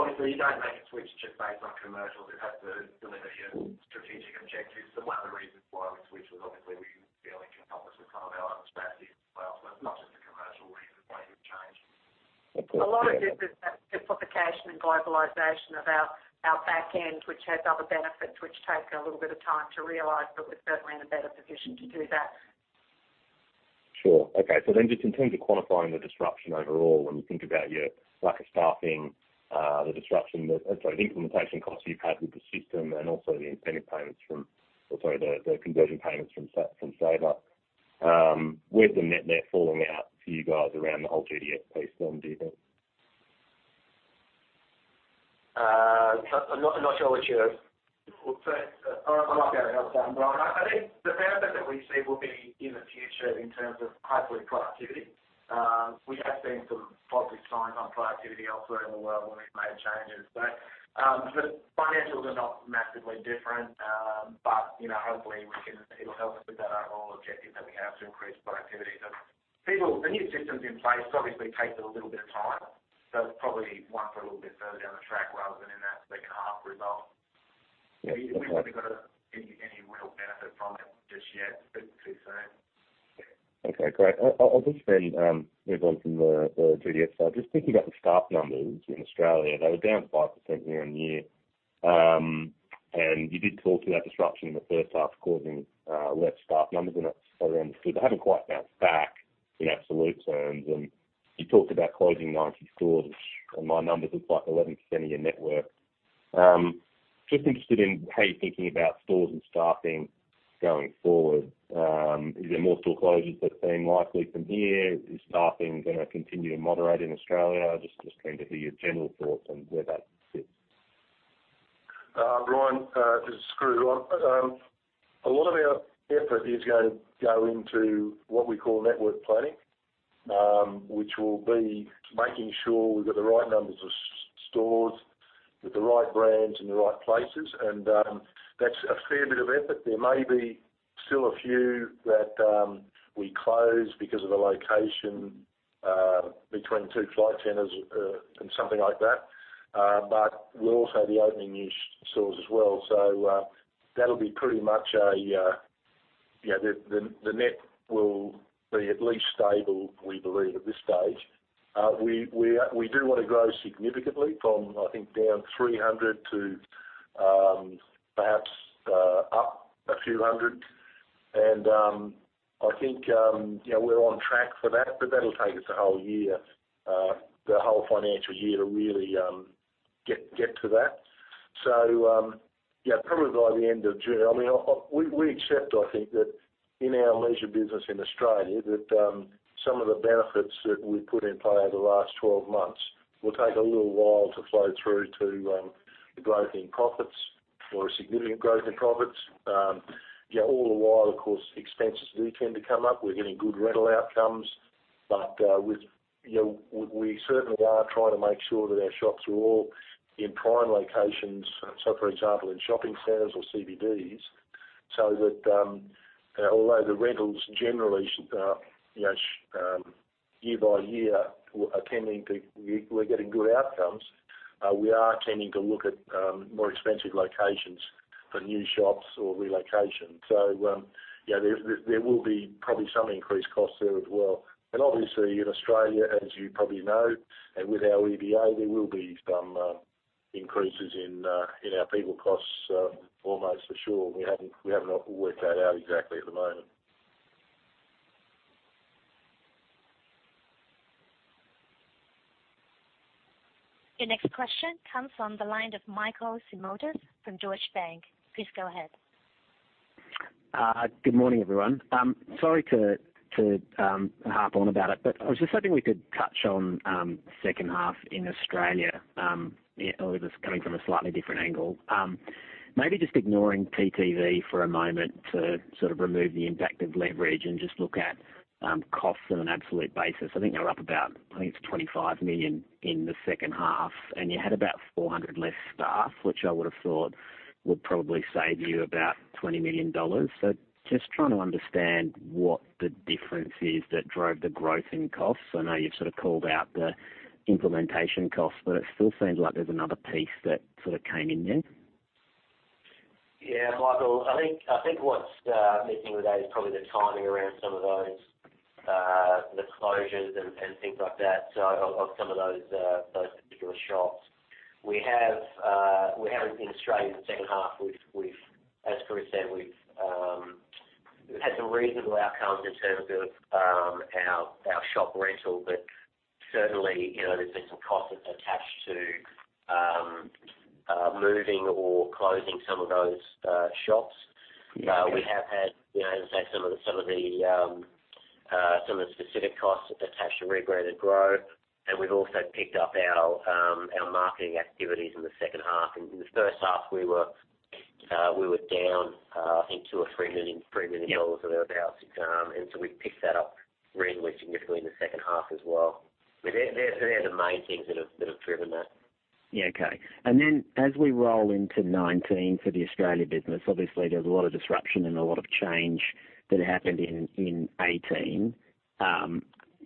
obviously, you don't make a switch just based on commercials. It has to deliver your strategic objectives. One of the reasons why we switched was obviously we were dealing in concert with some of our other strategies as well. It's not just a commercial reason why you would change. A lot of it is simplification and globalization of our back end, which has other benefits, which take a little bit of time to realize. But we're certainly in a better position to do that. Sure. Okay. So then, just in terms of quantifying the disruption overall, when you think about your staffing, the disruption, sorry, the implementation costs you've had with the system and also the incentive payments from, sorry, the conversion payments from Sabre, where's the net net falling out for you guys around the whole GDS piece then, do you think? I'm not sure which year. I'll have to have a thought. I think the benefit that we see will be in the future in terms of, hopefully, productivity. We have seen some positive signs on productivity elsewhere in the world when we've made changes. So the financials are not massively different. Hopefully, it'll help us with that overall objective that we have to increase productivity. The new system's in place. It obviously takes a little bit of time. It's probably one for a little bit further down the track rather than in that second half result. We haven't got any real benefit from it just yet. It's too soon. Okay. Great. I'll just then move on from the GDS side. Just thinking about the staff numbers in Australia, they were down 5% year on year. You did talk about disruption in the first half causing less staff numbers than I understood. They haven't quite bounced back in absolute terms. You talked about closing 90 stores, which, in my numbers, looks like 11% of your network. Just interested in how you're thinking about stores and staffing going forward. Is there more store closures that seem likely from here? Is staffing going to continue to moderate in Australia? I just came to hear your general thoughts on where that sits. Bryan, this is Skroo on. A lot of our effort is going to go into what we call network planning, which will be making sure we've got the right numbers of stores with the right brands in the right places. And that's a fair bit of effort. There may be still a few that we close because of the location between two Flight Centres and something like that. But we'll also have the opening new stores as well. So that'll be pretty much a. Yeah, the net will be at least stable, we believe, at this stage. We do want to grow significantly from, I think, down 300 to perhaps up a few hundred. I think we're on track for that. That'll take us a whole year, the whole financial year, to really get to that. Yeah, probably by the end of June. I mean, we accept, I think, that in our leisure business in Australia, that some of the benefits that we've put in play over the last 12 months will take a little while to flow through to growth in profits or a significant growth in profits. Yeah, all the while, of course, expenses do tend to come up. We're getting good rental outcomes. But we certainly are trying to make sure that our shops are all in prime locations, so for example, in shopping centers or CBDs, so that although the rentals generally, year by year, attending to—we're getting good outcomes, we are tending to look at more expensive locations for new shops or relocations. So there will be probably some increased costs there as well. And obviously, in Australia, as you probably know, and with our EBA, there will be some increases in our people costs, almost for sure. We haven't worked that out exactly at the moment. Your next question comes from the line of Michael Simotas from Deutsche Bank. Please go ahead. Good morning, everyone. Sorry to harp on about it. But I was just hoping we could touch on the second half in Australia. I was coming from a slightly different angle. Maybe just ignoring TTV for a moment to sort of remove the impact of leverage and just look at costs on an absolute basis. I think they were up about. I think it's 25 million in the second half. And you had about 400 less staff, which I would have thought would probably save you about 20 million dollars. So just trying to understand what the difference is that drove the growth in costs. I know you've sort of called out the implementation costs. But it still seems like there's another piece that sort of came in there. Yeah, Michael. I think what's missing with that is probably the timing around some of those, the closures and things like that of some of those particular shops. We have, in Australia, in the second half, as Chris said, we've had some reasonable outcomes in terms of our shop rental. But certainly, there's been some costs attached to moving or closing some of those shops. We have had, as I said, some of the specific costs attached to Rebrand and Grow. And we've also picked up our marketing activities in the second half. In the first half, we were down, I think, 2 million or 3 million dollars or thereabouts. And so we've picked that up reasonably significantly in the second half as well. But they're the main things that have driven that. Yeah. Okay. And then, as we roll into 2019 for the Australian business, obviously, there was a lot of disruption and a lot of change that happened in 2018.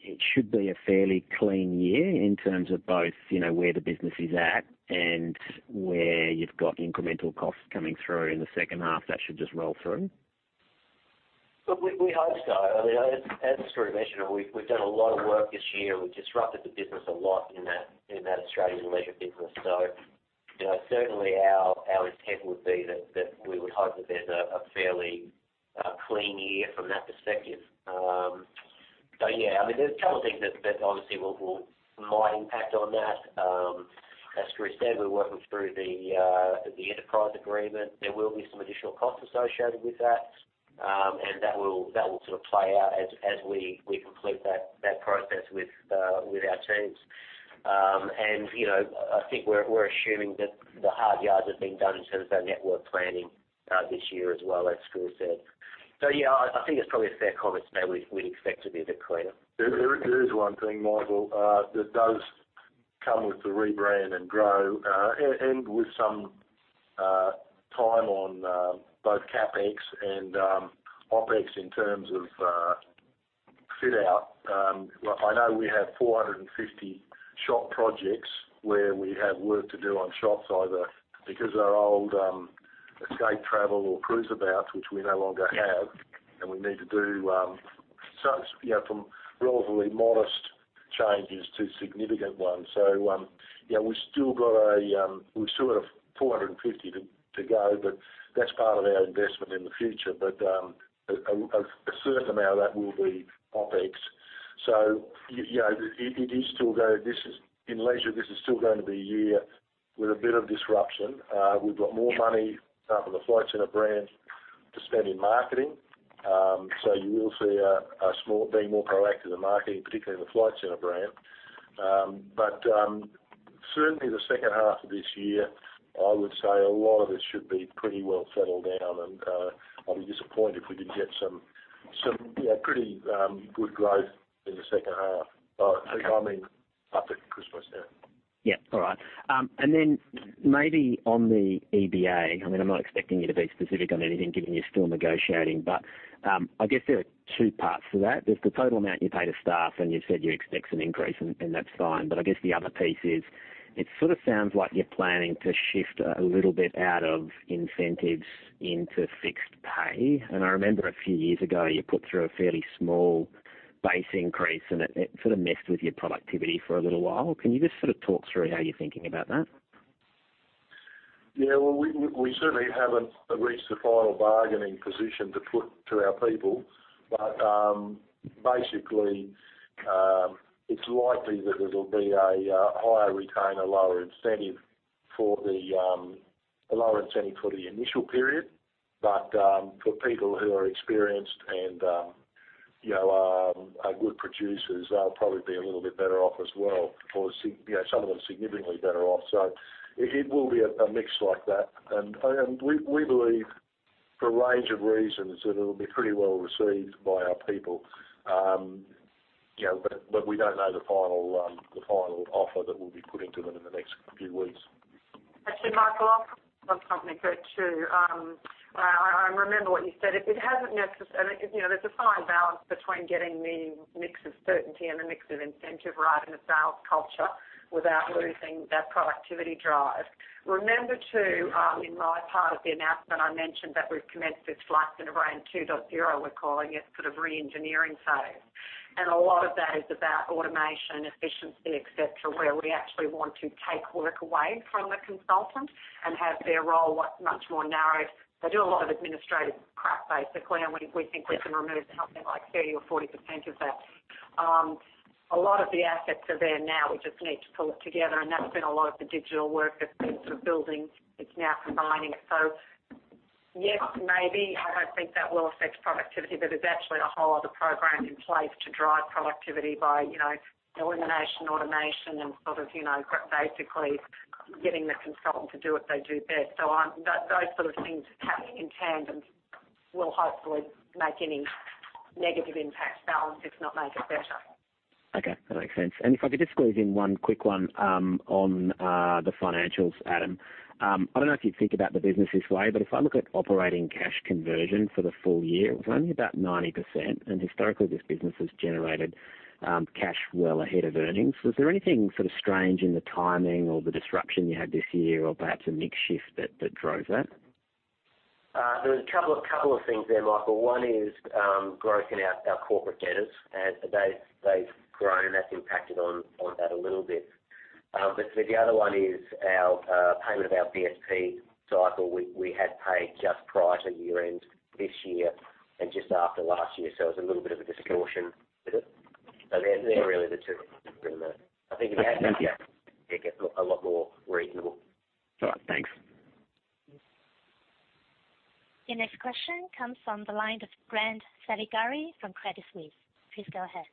It should be a fairly clean year in terms of both where the business is at and where you've got incremental costs coming through in the second half. That should just roll through. But we hope so. I mean, as Screw mentioned, we've done a lot of work this year. We've disrupted the business a lot in that Australian leisure business. So certainly, our intent would be that we would hope that there's a fairly clean year from that perspective. But yeah, I mean, there's a couple of things that obviously might impact on that. As Screw said, we're working through the enterprise agreement. There will be some additional costs associated with that, and that will sort of play out as we complete that process with our teams. I think we're assuming that the hard yards have been done in terms of our network planning this year as well, as Screw said. Yeah, I think it's probably a fair comment to me. We'd expect to be a bit cleaner. There is one thing, Michael, that does come with the Rebrand and Grow and with some time on both CapEx and OpEx in terms of fit-out. I know we have 450 shop projects where we have work to do on shops, either because of our old Escape Travel or Cruiseabout, which we no longer have, and we need to do some relatively modest changes to significant ones. So yeah, we've still got 450 to go. But that's part of our investment in the future. But a certain amount of that will be OpEx. So it is still going. This is in leisure. This is still going to be a year with a bit of disruption. We've got more money up in the Flight Centre brand to spend in marketing. So you will see us being more proactive in marketing, particularly in the Flight Centre brand. But certainly, the second half of this year, I would say a lot of it should be pretty well settled down. And I'll be disappointed if we didn't get some pretty good growth in the second half, I mean, up to Christmas. Yeah. Yeah. All right. And then maybe on the EBA, I mean, I'm not expecting you to be specific on anything given you're still negotiating. But I guess there are two parts to that. There's the total amount you pay to staff. And you said you expect some increase. And that's fine. But I guess the other piece is it sort of sounds like you're planning to shift a little bit out of incentives into fixed pay. And I remember a few years ago, you put through a fairly small base increase. And it sort of messed with your productivity for a little while. Can you just sort of talk through how you're thinking about that? Yeah. Well, we certainly haven't reached a final bargaining position to put to our people. But basically, it's likely that there'll be a higher retainer, lower incentive for the initial period. But for people who are experienced and are good producers, they'll probably be a little bit better off as well. Or some of them significantly better off. So it will be a mix like that. And we believe, for a range of reasons, that it'll be pretty well received by our people. But we don't know the final offer that will be put into them in the next few weeks. Actually, Michael, I've got something to add too. I remember what you said. It hasn't necessarily. There's a fine balance between getting the mix of certainty and the mix of incentive right in the sales culture without losing that productivity drive. Remember too, in my part of the announcement, I mentioned that we've commenced this Flight Centre Brand 2.0. We're calling it sort of re-engineering phase. And a lot of that is about automation, efficiency, etc., where we actually want to take work away from the consultant and have their role much more narrowed. They do a lot of administrative crap, basically. And we think we can remove something like 30% or 40% of that. A lot of the assets are there now. We just need to pull it together. And that's been a lot of the digital work that's been sort of building. It's now combining it. So yes, maybe, I don't think that will affect productivity. But there's actually a whole other program in place to drive productivity by elimination automation and sort of basically getting the consultant to do what they do best. So those sort of things happen in tandem will hopefully make any negative impacts balanced, if not make it better. Okay. That makes sense. And if I could just squeeze in one quick one on the financials, Adam. I don't know if you'd think about the business this way. But if I look at operating cash conversion for the full year, it was only about 90%. And historically, this business has generated cash well ahead of earnings. Was there anything sort of strange in the timing or the disruption you had this year or perhaps a mixed shift that drove that? There were a couple of things there, Michael. One is growth in our corporate debtors. And they've grown. And that's impacted on that a little bit. But the other one is our payment of our BSP cycle. We had paid just prior to year-end this year and just after last year. So it was a little bit of a distortion with it. So they're really the two in there. I think if you had that, yeah, it gets a lot more reasonable. All right. Thanks. Your next question comes from the line of Grant Saligari from Credit Suisse. Please go ahead.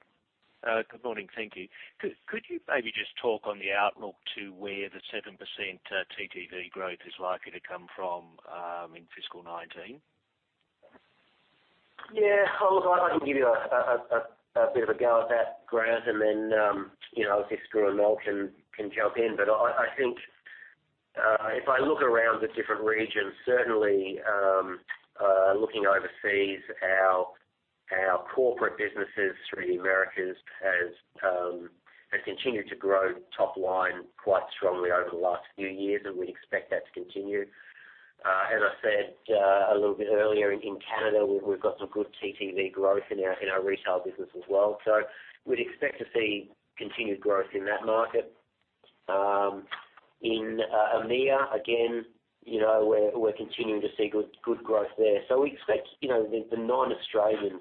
Good morning. Thank you. Could you maybe just talk on the outlook to where the 7% TTV growth is likely to come from in fiscal 2019? Yeah. I can give you a bit of a go at that, Grant. And then obviously, Skroo and Mel can jump in. But I think if I look around the different regions, certainly looking overseas, our corporate businesses through the Americas have continued to grow top line quite strongly over the last few years. And we'd expect that to continue. As I said a little bit earlier, in Canada, we've got some good TTV growth in our retail business as well. So we'd expect to see continued growth in that market. In EMEA, again, we're continuing to see good growth there. So we expect the non-Australian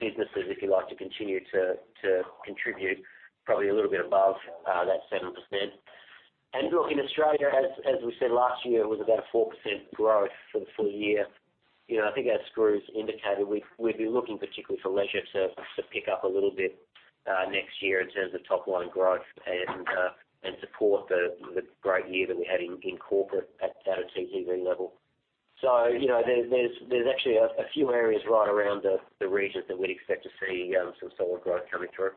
businesses, if you like, to continue to contribute probably a little bit above that 7%. Look, in Australia, as we said last year, it was about a 4% growth for the full year. I think as Skroo's indicated, we'd be looking particularly for leisure to pick up a little bit next year in terms of top line growth and support the great year that we had in corporate at a TTV level. There's actually a few areas right around the regions that we'd expect to see some solid growth coming through.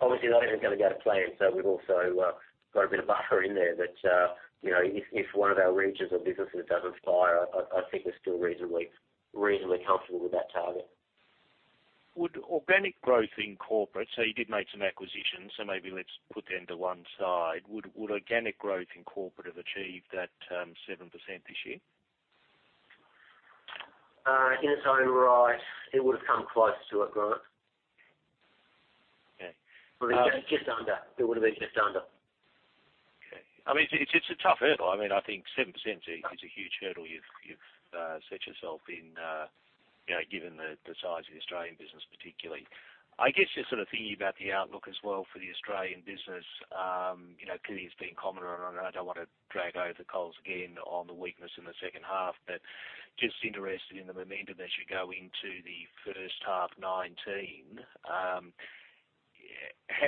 Obviously, that isn't going to go to plan. We've also got a bit of buffer in there. But if one of our regions or businesses doesn't fire, I think we're still reasonably comfortable with that target. Would organic growth in corporate - so you did make some acquisitions. So maybe let's put them to one side - would organic growth in corporate have achieved that 7% this year? In its own right, it would have come close to a growth. Just under. It would have been just under. Okay. I mean, it's a tough hurdle. I mean, I think 7% is a huge hurdle you've set yourself in, given the size of the Australian business particularly. I guess just sort of thinking about the outlook as well for the Australian business, clearly, it's been commented on, and I don't want to rake over the coals again, on the weakness in the second half, but just interested in the momentum as you go into the first half 2019.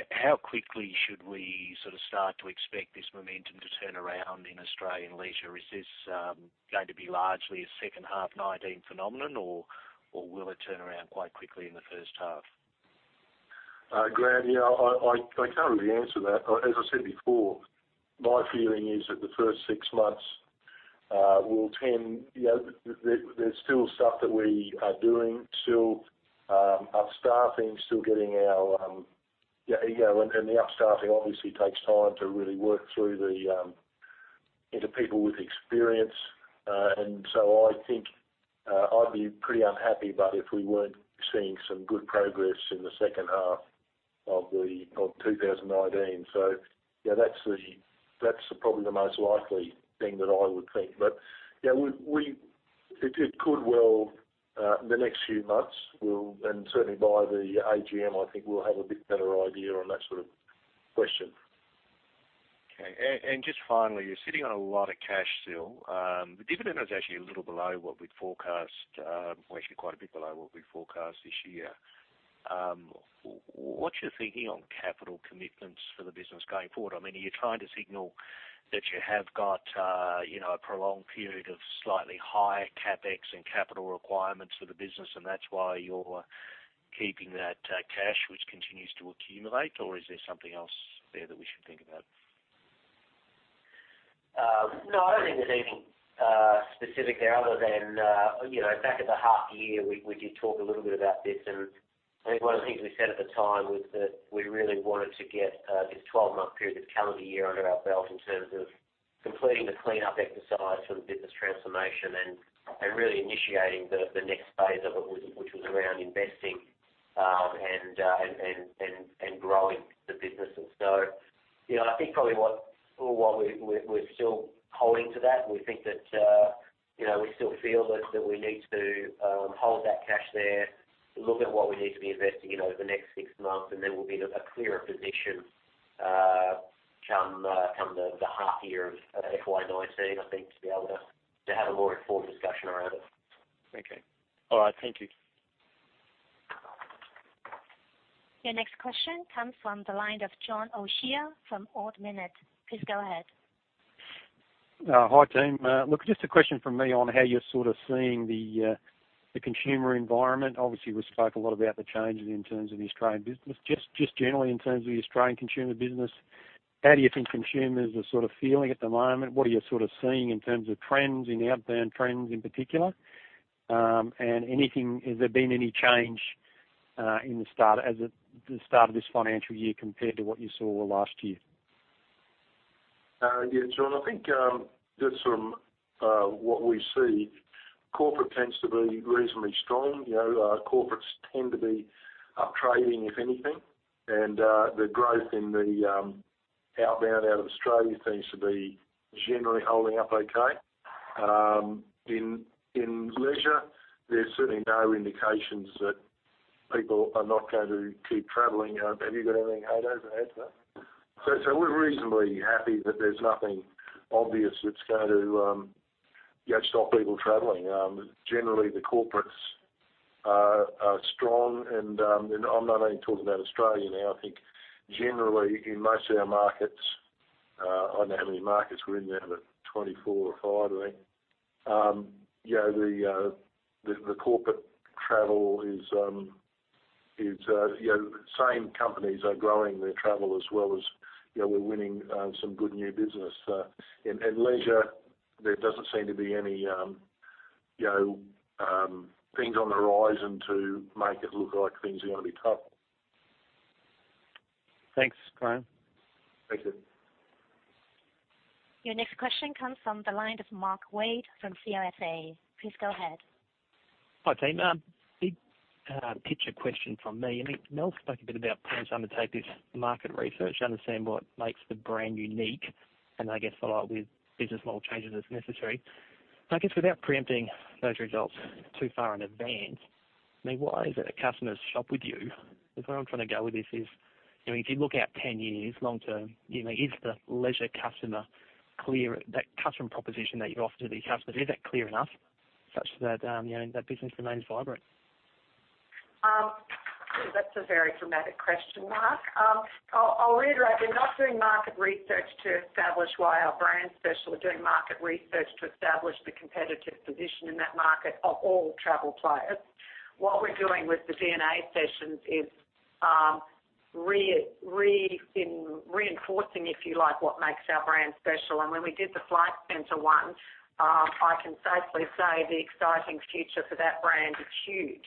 How quickly should we sort of start to expect this momentum to turn around in Australian leisure? Is this going to be largely a second half 2019 phenomenon, or will it turn around quite quickly in the first half? Grant, I can't really answer that. As I said before, my feeling is that the first six months, there's still stuff that we are doing. Still upskilling, still getting our—and the upskilling obviously takes time to really work through the intake of people with experience. And so I think I'd be pretty unhappy about if we weren't seeing some good progress in the second half of 2019. So that's probably the most likely thing that I would think. But it could well in the next few months. And certainly, by the AGM, I think we'll have a bit better idea on that sort of question. Okay. And just finally, you're sitting on a lot of cash still. The dividend is actually a little below what we'd forecast. Well, actually, quite a bit below what we forecast this year. What's your thinking on capital commitments for the business going forward? I mean, are you trying to signal that you have got a prolonged period of slightly higher CapEx and capital requirements for the business, and that's why you're keeping that cash which continues to accumulate? Or is there something else there that we should think about? No. I don't think there's anything specific there other than back at the half year, we did talk a little bit about this, and I think one of the things we said at the time was that we really wanted to get this 12-month period, this calendar year, under our belt in terms of completing the cleanup exercise for the business transformation and really initiating the next phase of it, which was around investing and growing the businesses. So I think probably what we're still holding to that, we think that we still feel that we need to hold that cash there, look at what we need to be investing in over the next six months. And then we'll be in a clearer position come the half year of FY19, I think, to be able to have a more informed discussion around it. Okay. All right. Thank you. Your next question comes from the line of John O'Shea from Ord Minnett. Please go ahead. Hi, team. Look, just a question from me on how you're sort of seeing the consumer environment. Obviously, we spoke a lot about the changes in terms of the Australian business. Just generally, in terms of the Australian consumer business, how do you think consumers are sort of feeling at the moment? What are you sort of seeing in terms of trends in outbound trends in particular? And has there been any change in the start of this financial year compared to what you saw last year? Yeah. John, I think just from what we see, corporate tends to be reasonably strong. Corporates tend to be uptrading, if anything. And the growth in the outbound out of Australia seems to be generally holding up okay. In leisure, there's certainly no indications that people are not going to keep traveling. Have you got anything, Adam, to add to that? So we're reasonably happy that there's nothing obvious that's going to stop people traveling. Generally, the corporates are strong. And I'm not even talking about Australia now. I think generally, in most of our markets, I don't know how many markets we're in now, but 24 or 25, I think, the corporate travel, same companies are growing their travel as well as we're winning some good new business. In leisure, there doesn't seem to be anything on the horizon to make it look like things are going to be tough. Thanks, Graham. Thank you. Your next question comes from the line of Mark Wade from CLSA. Please go ahead. Hi, team. Big picture question from me. Mel's spoken a bit about plans to undertake this market research to understand what makes the brand unique and, I guess, the business model changes as necessary. I guess without preempting those results too far in advance, I mean, why is it that customers shop with you? Because where I'm trying to go with this is, I mean, if you look out 10 years long term, is the leisure customer clear? That customer proposition that you offer to the customers, is that clear enough such that that business remains vibrant? That's a very dramatic question, Mark. I'll reiterate. We're not doing market research to establish why our brand special. We're doing market research to establish the competitive position in that market of all travel players. What we're doing with the DNA sessions is reinforcing, if you like, what makes our brand special. And when we did the Flight Centre one, I can safely say the exciting future for that brand is huge.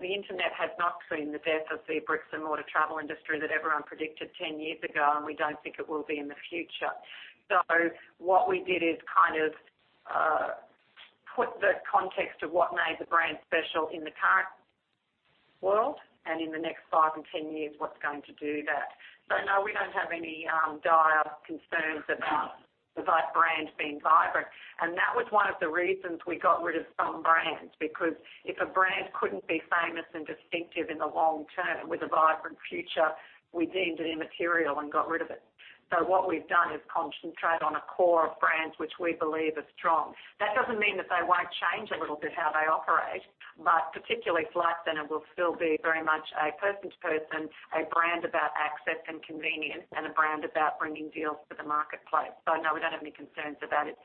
The internet has not seen the death of the bricks-and-mortar travel industry that everyone predicted 10 years ago. And we don't think it will be in the future. What we did is kind of put the context of what made the brand special in the current world and in the next five and 10 years what's going to do that. No, we don't have any dire concerns about that brand being vibrant. That was one of the reasons we got rid of some brands. Because if a brand couldn't be famous and distinctive in the long term with a vibrant future, we deemed it immaterial and got rid of it. What we've done is concentrate on a core of brands which we believe are strong. That doesn't mean that they won't change a little bit how they operate. But particularly, Flight Centre will still be very much a person-to-person, a brand about access and convenience, and a brand about bringing deals to the marketplace. No, we don't have any concerns about its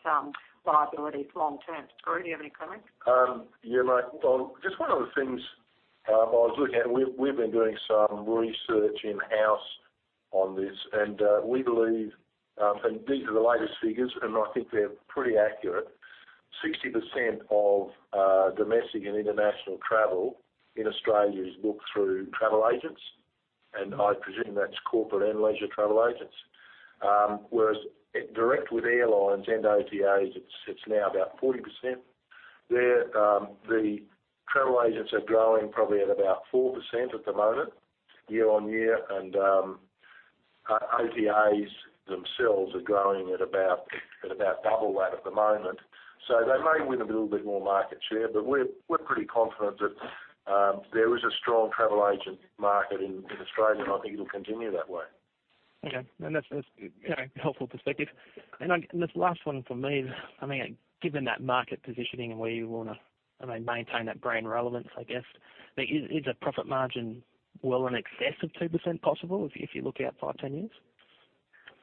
viability long term. Skroo, do you have any comment? Yeah. Well, just one of the things I was looking at, we've been doing some research in-house on this. And we believe, and these are the latest figures, and I think they're pretty accurate, 60% of domestic and international travel in Australia is booked through travel agents. And I presume that's corporate and leisure travel agents. Whereas direct with airlines and OTAs, it's now about 40%. The travel agents are growing probably at about 4% at the moment year on year. And OTAs themselves are growing at about double that at the moment. So they may win a little bit more market share. But we're pretty confident that there is a strong travel agent market in Australia. And I think it'll continue that way. Okay. And that's a helpful perspective. And this last one for me, I mean, given that market positioning and where you want to maintain that brand relevance, I guess, is a profit margin well in excess of 2% possible if you look out five, 10 years?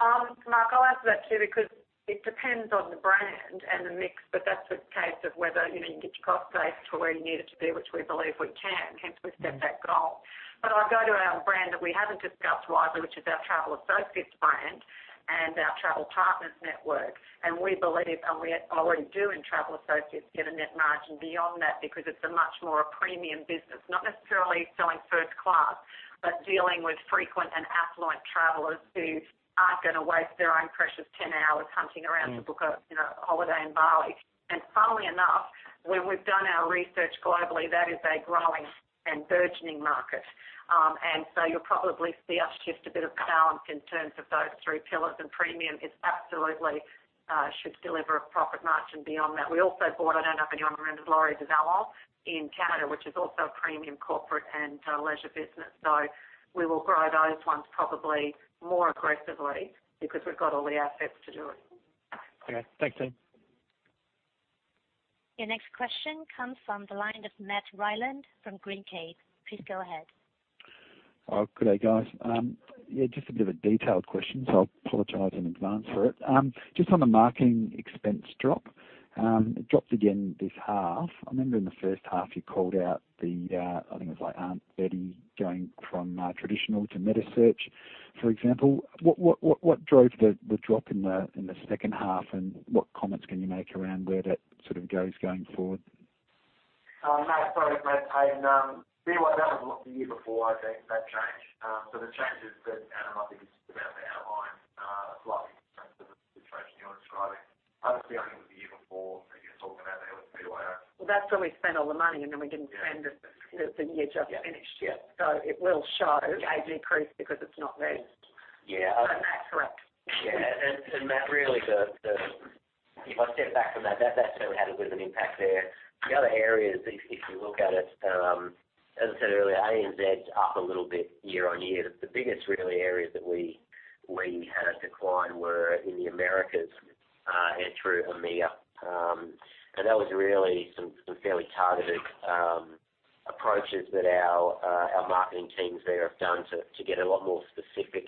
Mark, I'll answer that too because it depends on the brand and the mix. But that's a case of whether you can get your cost base to where you need it to be, which we believe we can. Hence, we've set that goal. But I'll go to a brand that we haven't discussed widely, which is our Travel Associates brand and our Travel Partners network. We believe, and we already do in Travel Associates, get a net margin beyond that because it's much more a premium business, not necessarily selling first class, but dealing with frequent and affluent travelers who aren't going to waste their own precious 10 hours hunting around to book a holiday in Bali. Funnily enough, when we've done our research globally, that is a growing and burgeoning market. You'll probably see us shift a bit of balance in terms of those three pillars. Premium absolutely should deliver a profit margin beyond that. We also bought—I don't know if anyone remembers—Laurier Du Vallon in Canada, which is also a premium corporate and leisure business. We will grow those ones probably more aggressively because we've got all the assets to do it. Okay. Thanks, team. Your next question comes from the line of Matt Ryland from Greencape. Please go ahead. Good day, guys. Yeah, just a bit of a detailed question. So I apologize in advance for it. Just on the marketing expense drop, it dropped again this half. I remember in the first half, you called out the-I think it was like Aunt Betty-going from traditional to metasearch, for example. What drove the drop in the second half? And what comments can you make around where that sort of goes going forward? No, sorry. That was a year before, I think, that changed. So the changes that Adam, I think, has just about outlined slightly in terms of the situation you're describing. I have a feeling it was a year before that you were talking about that with BYO. Well, that's where we spent all the money. And then we didn't spend it. The year just finished. Yeah. So it will show. Wage increase because it's not there. Yeah. And that's correct. Yeah. Matt, really, if I step back from that, that certainly had a bit of an impact there. The other areas, if you look at it, as I said earlier, ANZ up a little bit year on year. The biggest really areas that we had a decline were in the Americas and through EMEA. And that was really some fairly targeted approaches that our marketing teams there have done to get a lot more specific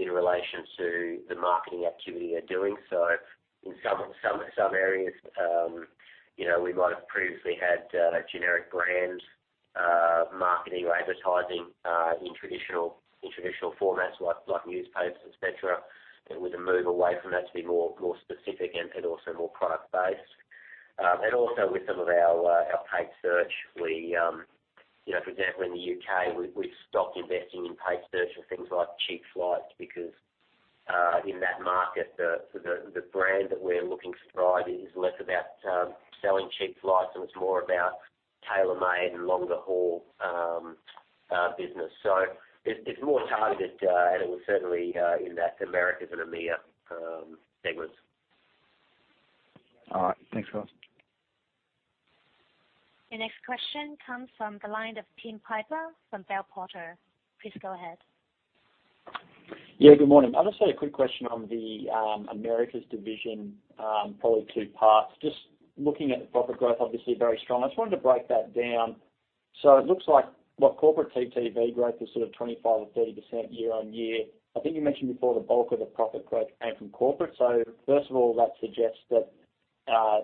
in relation to the marketing activity they're doing. So in some areas, we might have previously had generic brand marketing or advertising in traditional formats like newspapers, etc., with a move away from that to be more specific and also more product-based. And also with some of our paid search, for example, in the U.K., we've stopped investing in paid search for things like cheap flights because in that market, the brand that we're looking to thrive is less about selling cheap flights and it's more about tailor-made and longer-haul business. So it's more targeted. And it was certainly in that Americas and EMEA segment. All right. Thanks, guys. Your next question comes from the line of Tim Piper from Bell Potter. Please go ahead. Yeah. Good morning. I'll just say a quick question on the Americas division, probably two parts. Just looking at the profit growth, obviously, very strong. I just wanted to break that down. So it looks like what corporate TTV growth is sort of 25% or 30% year on year. I think you mentioned before the bulk of the profit growth came from corporate. So first of all, that suggests that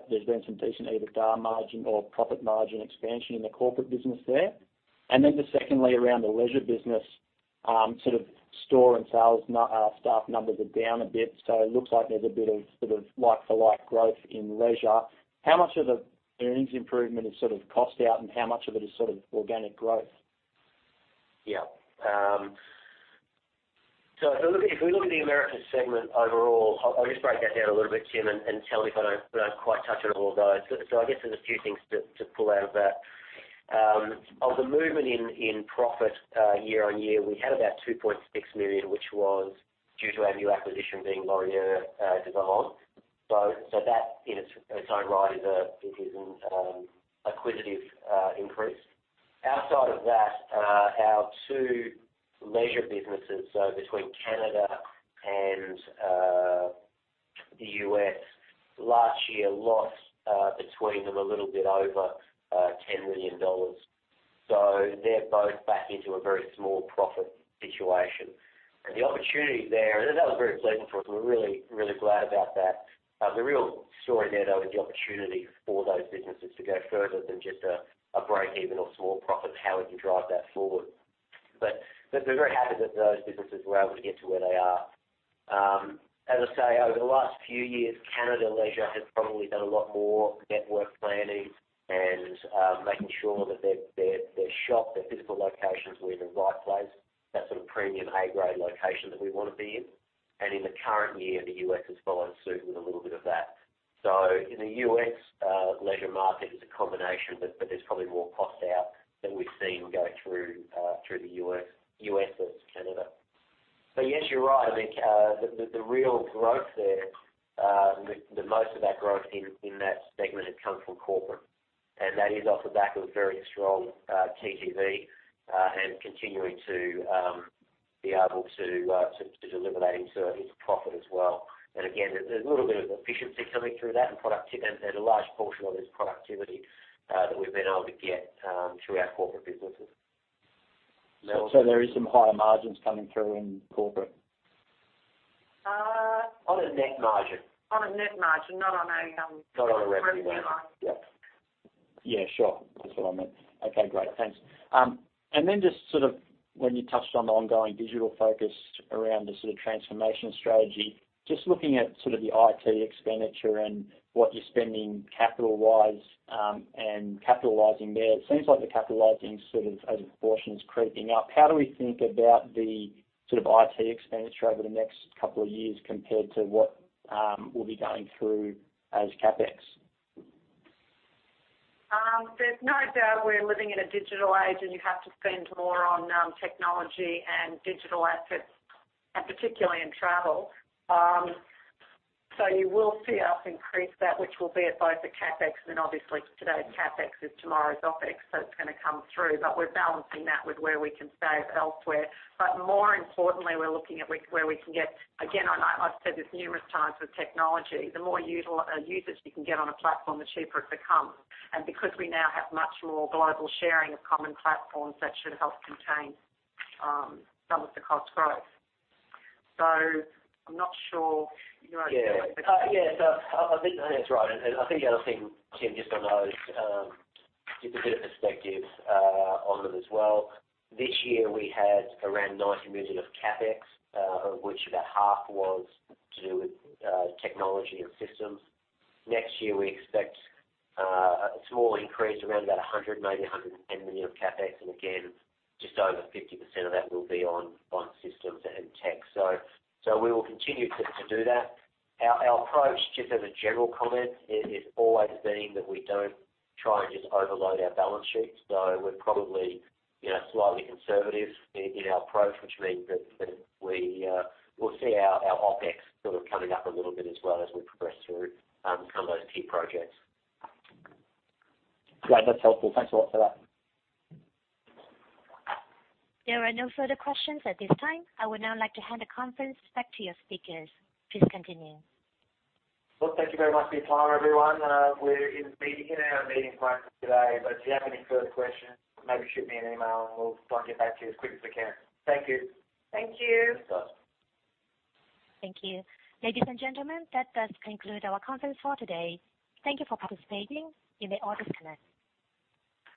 there's been some decent EBITDA margin or profit margin expansion in the corporate business there. And then secondly, around the leisure business, sort of store and sales staff numbers are down a bit. So it looks like there's a bit of sort of like-for-like growth in leisure. How much of the earnings improvement is sort of cost out and how much of it is sort of organic growth? Yeah. So if we look at the Americas segment overall, I'll just break that down a little bit, Tim, and tell me if I don't quite touch on all of those. So I guess there's a few things to pull out of that. Of the movement in profit year on year, we had about 2.6 million, which was due to our new acquisition being Laurier Du Vallon. That in its own right is an acquisitive increase. Outside of that, our two leisure businesses, so between Canada and the U.S., last year lost between them a little bit over 10 million dollars. So they're both back into a very small profit situation. And the opportunity there, and that was very pleasant for us. And we're really, really glad about that. The real story there, though, is the opportunity for those businesses to go further than just a break-even or small profit, how we can drive that forward. But we're very happy that those businesses were able to get to where they are. As I say, over the last few years, Canada leisure has probably done a lot more network planning and making sure that their shop, their physical locations were in the right place, that sort of premium A-grade location that we want to be in. And in the current year, the U.S. has followed suit with a little bit of that. So in the U.S., leisure market is a combination, but there's probably more cost out that we've seen go through the U.S. versus Canada. But yes, you're right. I mean, the real growth there, most of that growth in that segment has come from corporate. And that is off the back of very strong TTV and continuing to be able to deliver that into profit as well. And again, there's a little bit of efficiency coming through that and a large portion of it is productivity that we've been able to get through our corporate businesses. So there is some higher margins coming through in corporate? On a net margin. On a net margin, not on a revenue line. Not on a revenue line. Yeah. Yeah. Sure. That's what I meant. Okay. Great. Thanks. And then just sort of when you touched on the ongoing digital focus around the sort of transformation strategy, just looking at sort of the IT expenditure and what you're spending capital-wise and capitalising there, it seems like the capitalising sort of as a proportion is creeping up. How do we think about the sort of IT expenditure over the next couple of years compared to what we'll be going through as CapEx? There's no doubt we're living in a digital age, and you have to spend more on technology and digital assets, and particularly in travel. So you will see us increase that, which will be at both the CapEx and then obviously today's CapEx is tomorrow's OpEx. So it's going to come through. But we're balancing that with where we can save elsewhere. But more importantly, we're looking at where we can get again. I've said this numerous times with technology: the more users you can get on a platform, the cheaper it becomes. And because we now have much more global sharing of common platforms, that should help contain some of the cost growth. So I'm not sure. Yeah. Yeah. So I think that's right. And I think the other thing, Tim, just on those, just a bit of perspective on them as well. This year, we had around 90 million of CapEx, of which about half was to do with technology and systems. Next year, we expect a small increase, around about 100 million, maybe 110 million of CapEx. And again, just over 50% of that will be on systems and tech. So we will continue to do that. Our approach, just as a general comment, has always been that we don't try and just overload our balance sheet. So we're probably slightly conservative in our approach, which means that we'll see our OpEx sort of coming up a little bit as well as we progress through some of those key projects. Great. That's helpful. Thanks a lot for that. There are no further questions at this time. I would now like to hand the conference back to your speakers. Please continue. Well, thank you very much for your time, everyone. We're in our meeting place today. But if you have any further questions, maybe shoot me an email, and we'll try and get back to you as quick as we can. Thank you. Thank you. Thank you. Ladies and gentlemen, that does conclude our conference for today. Thank you for participating. You may all disconnect.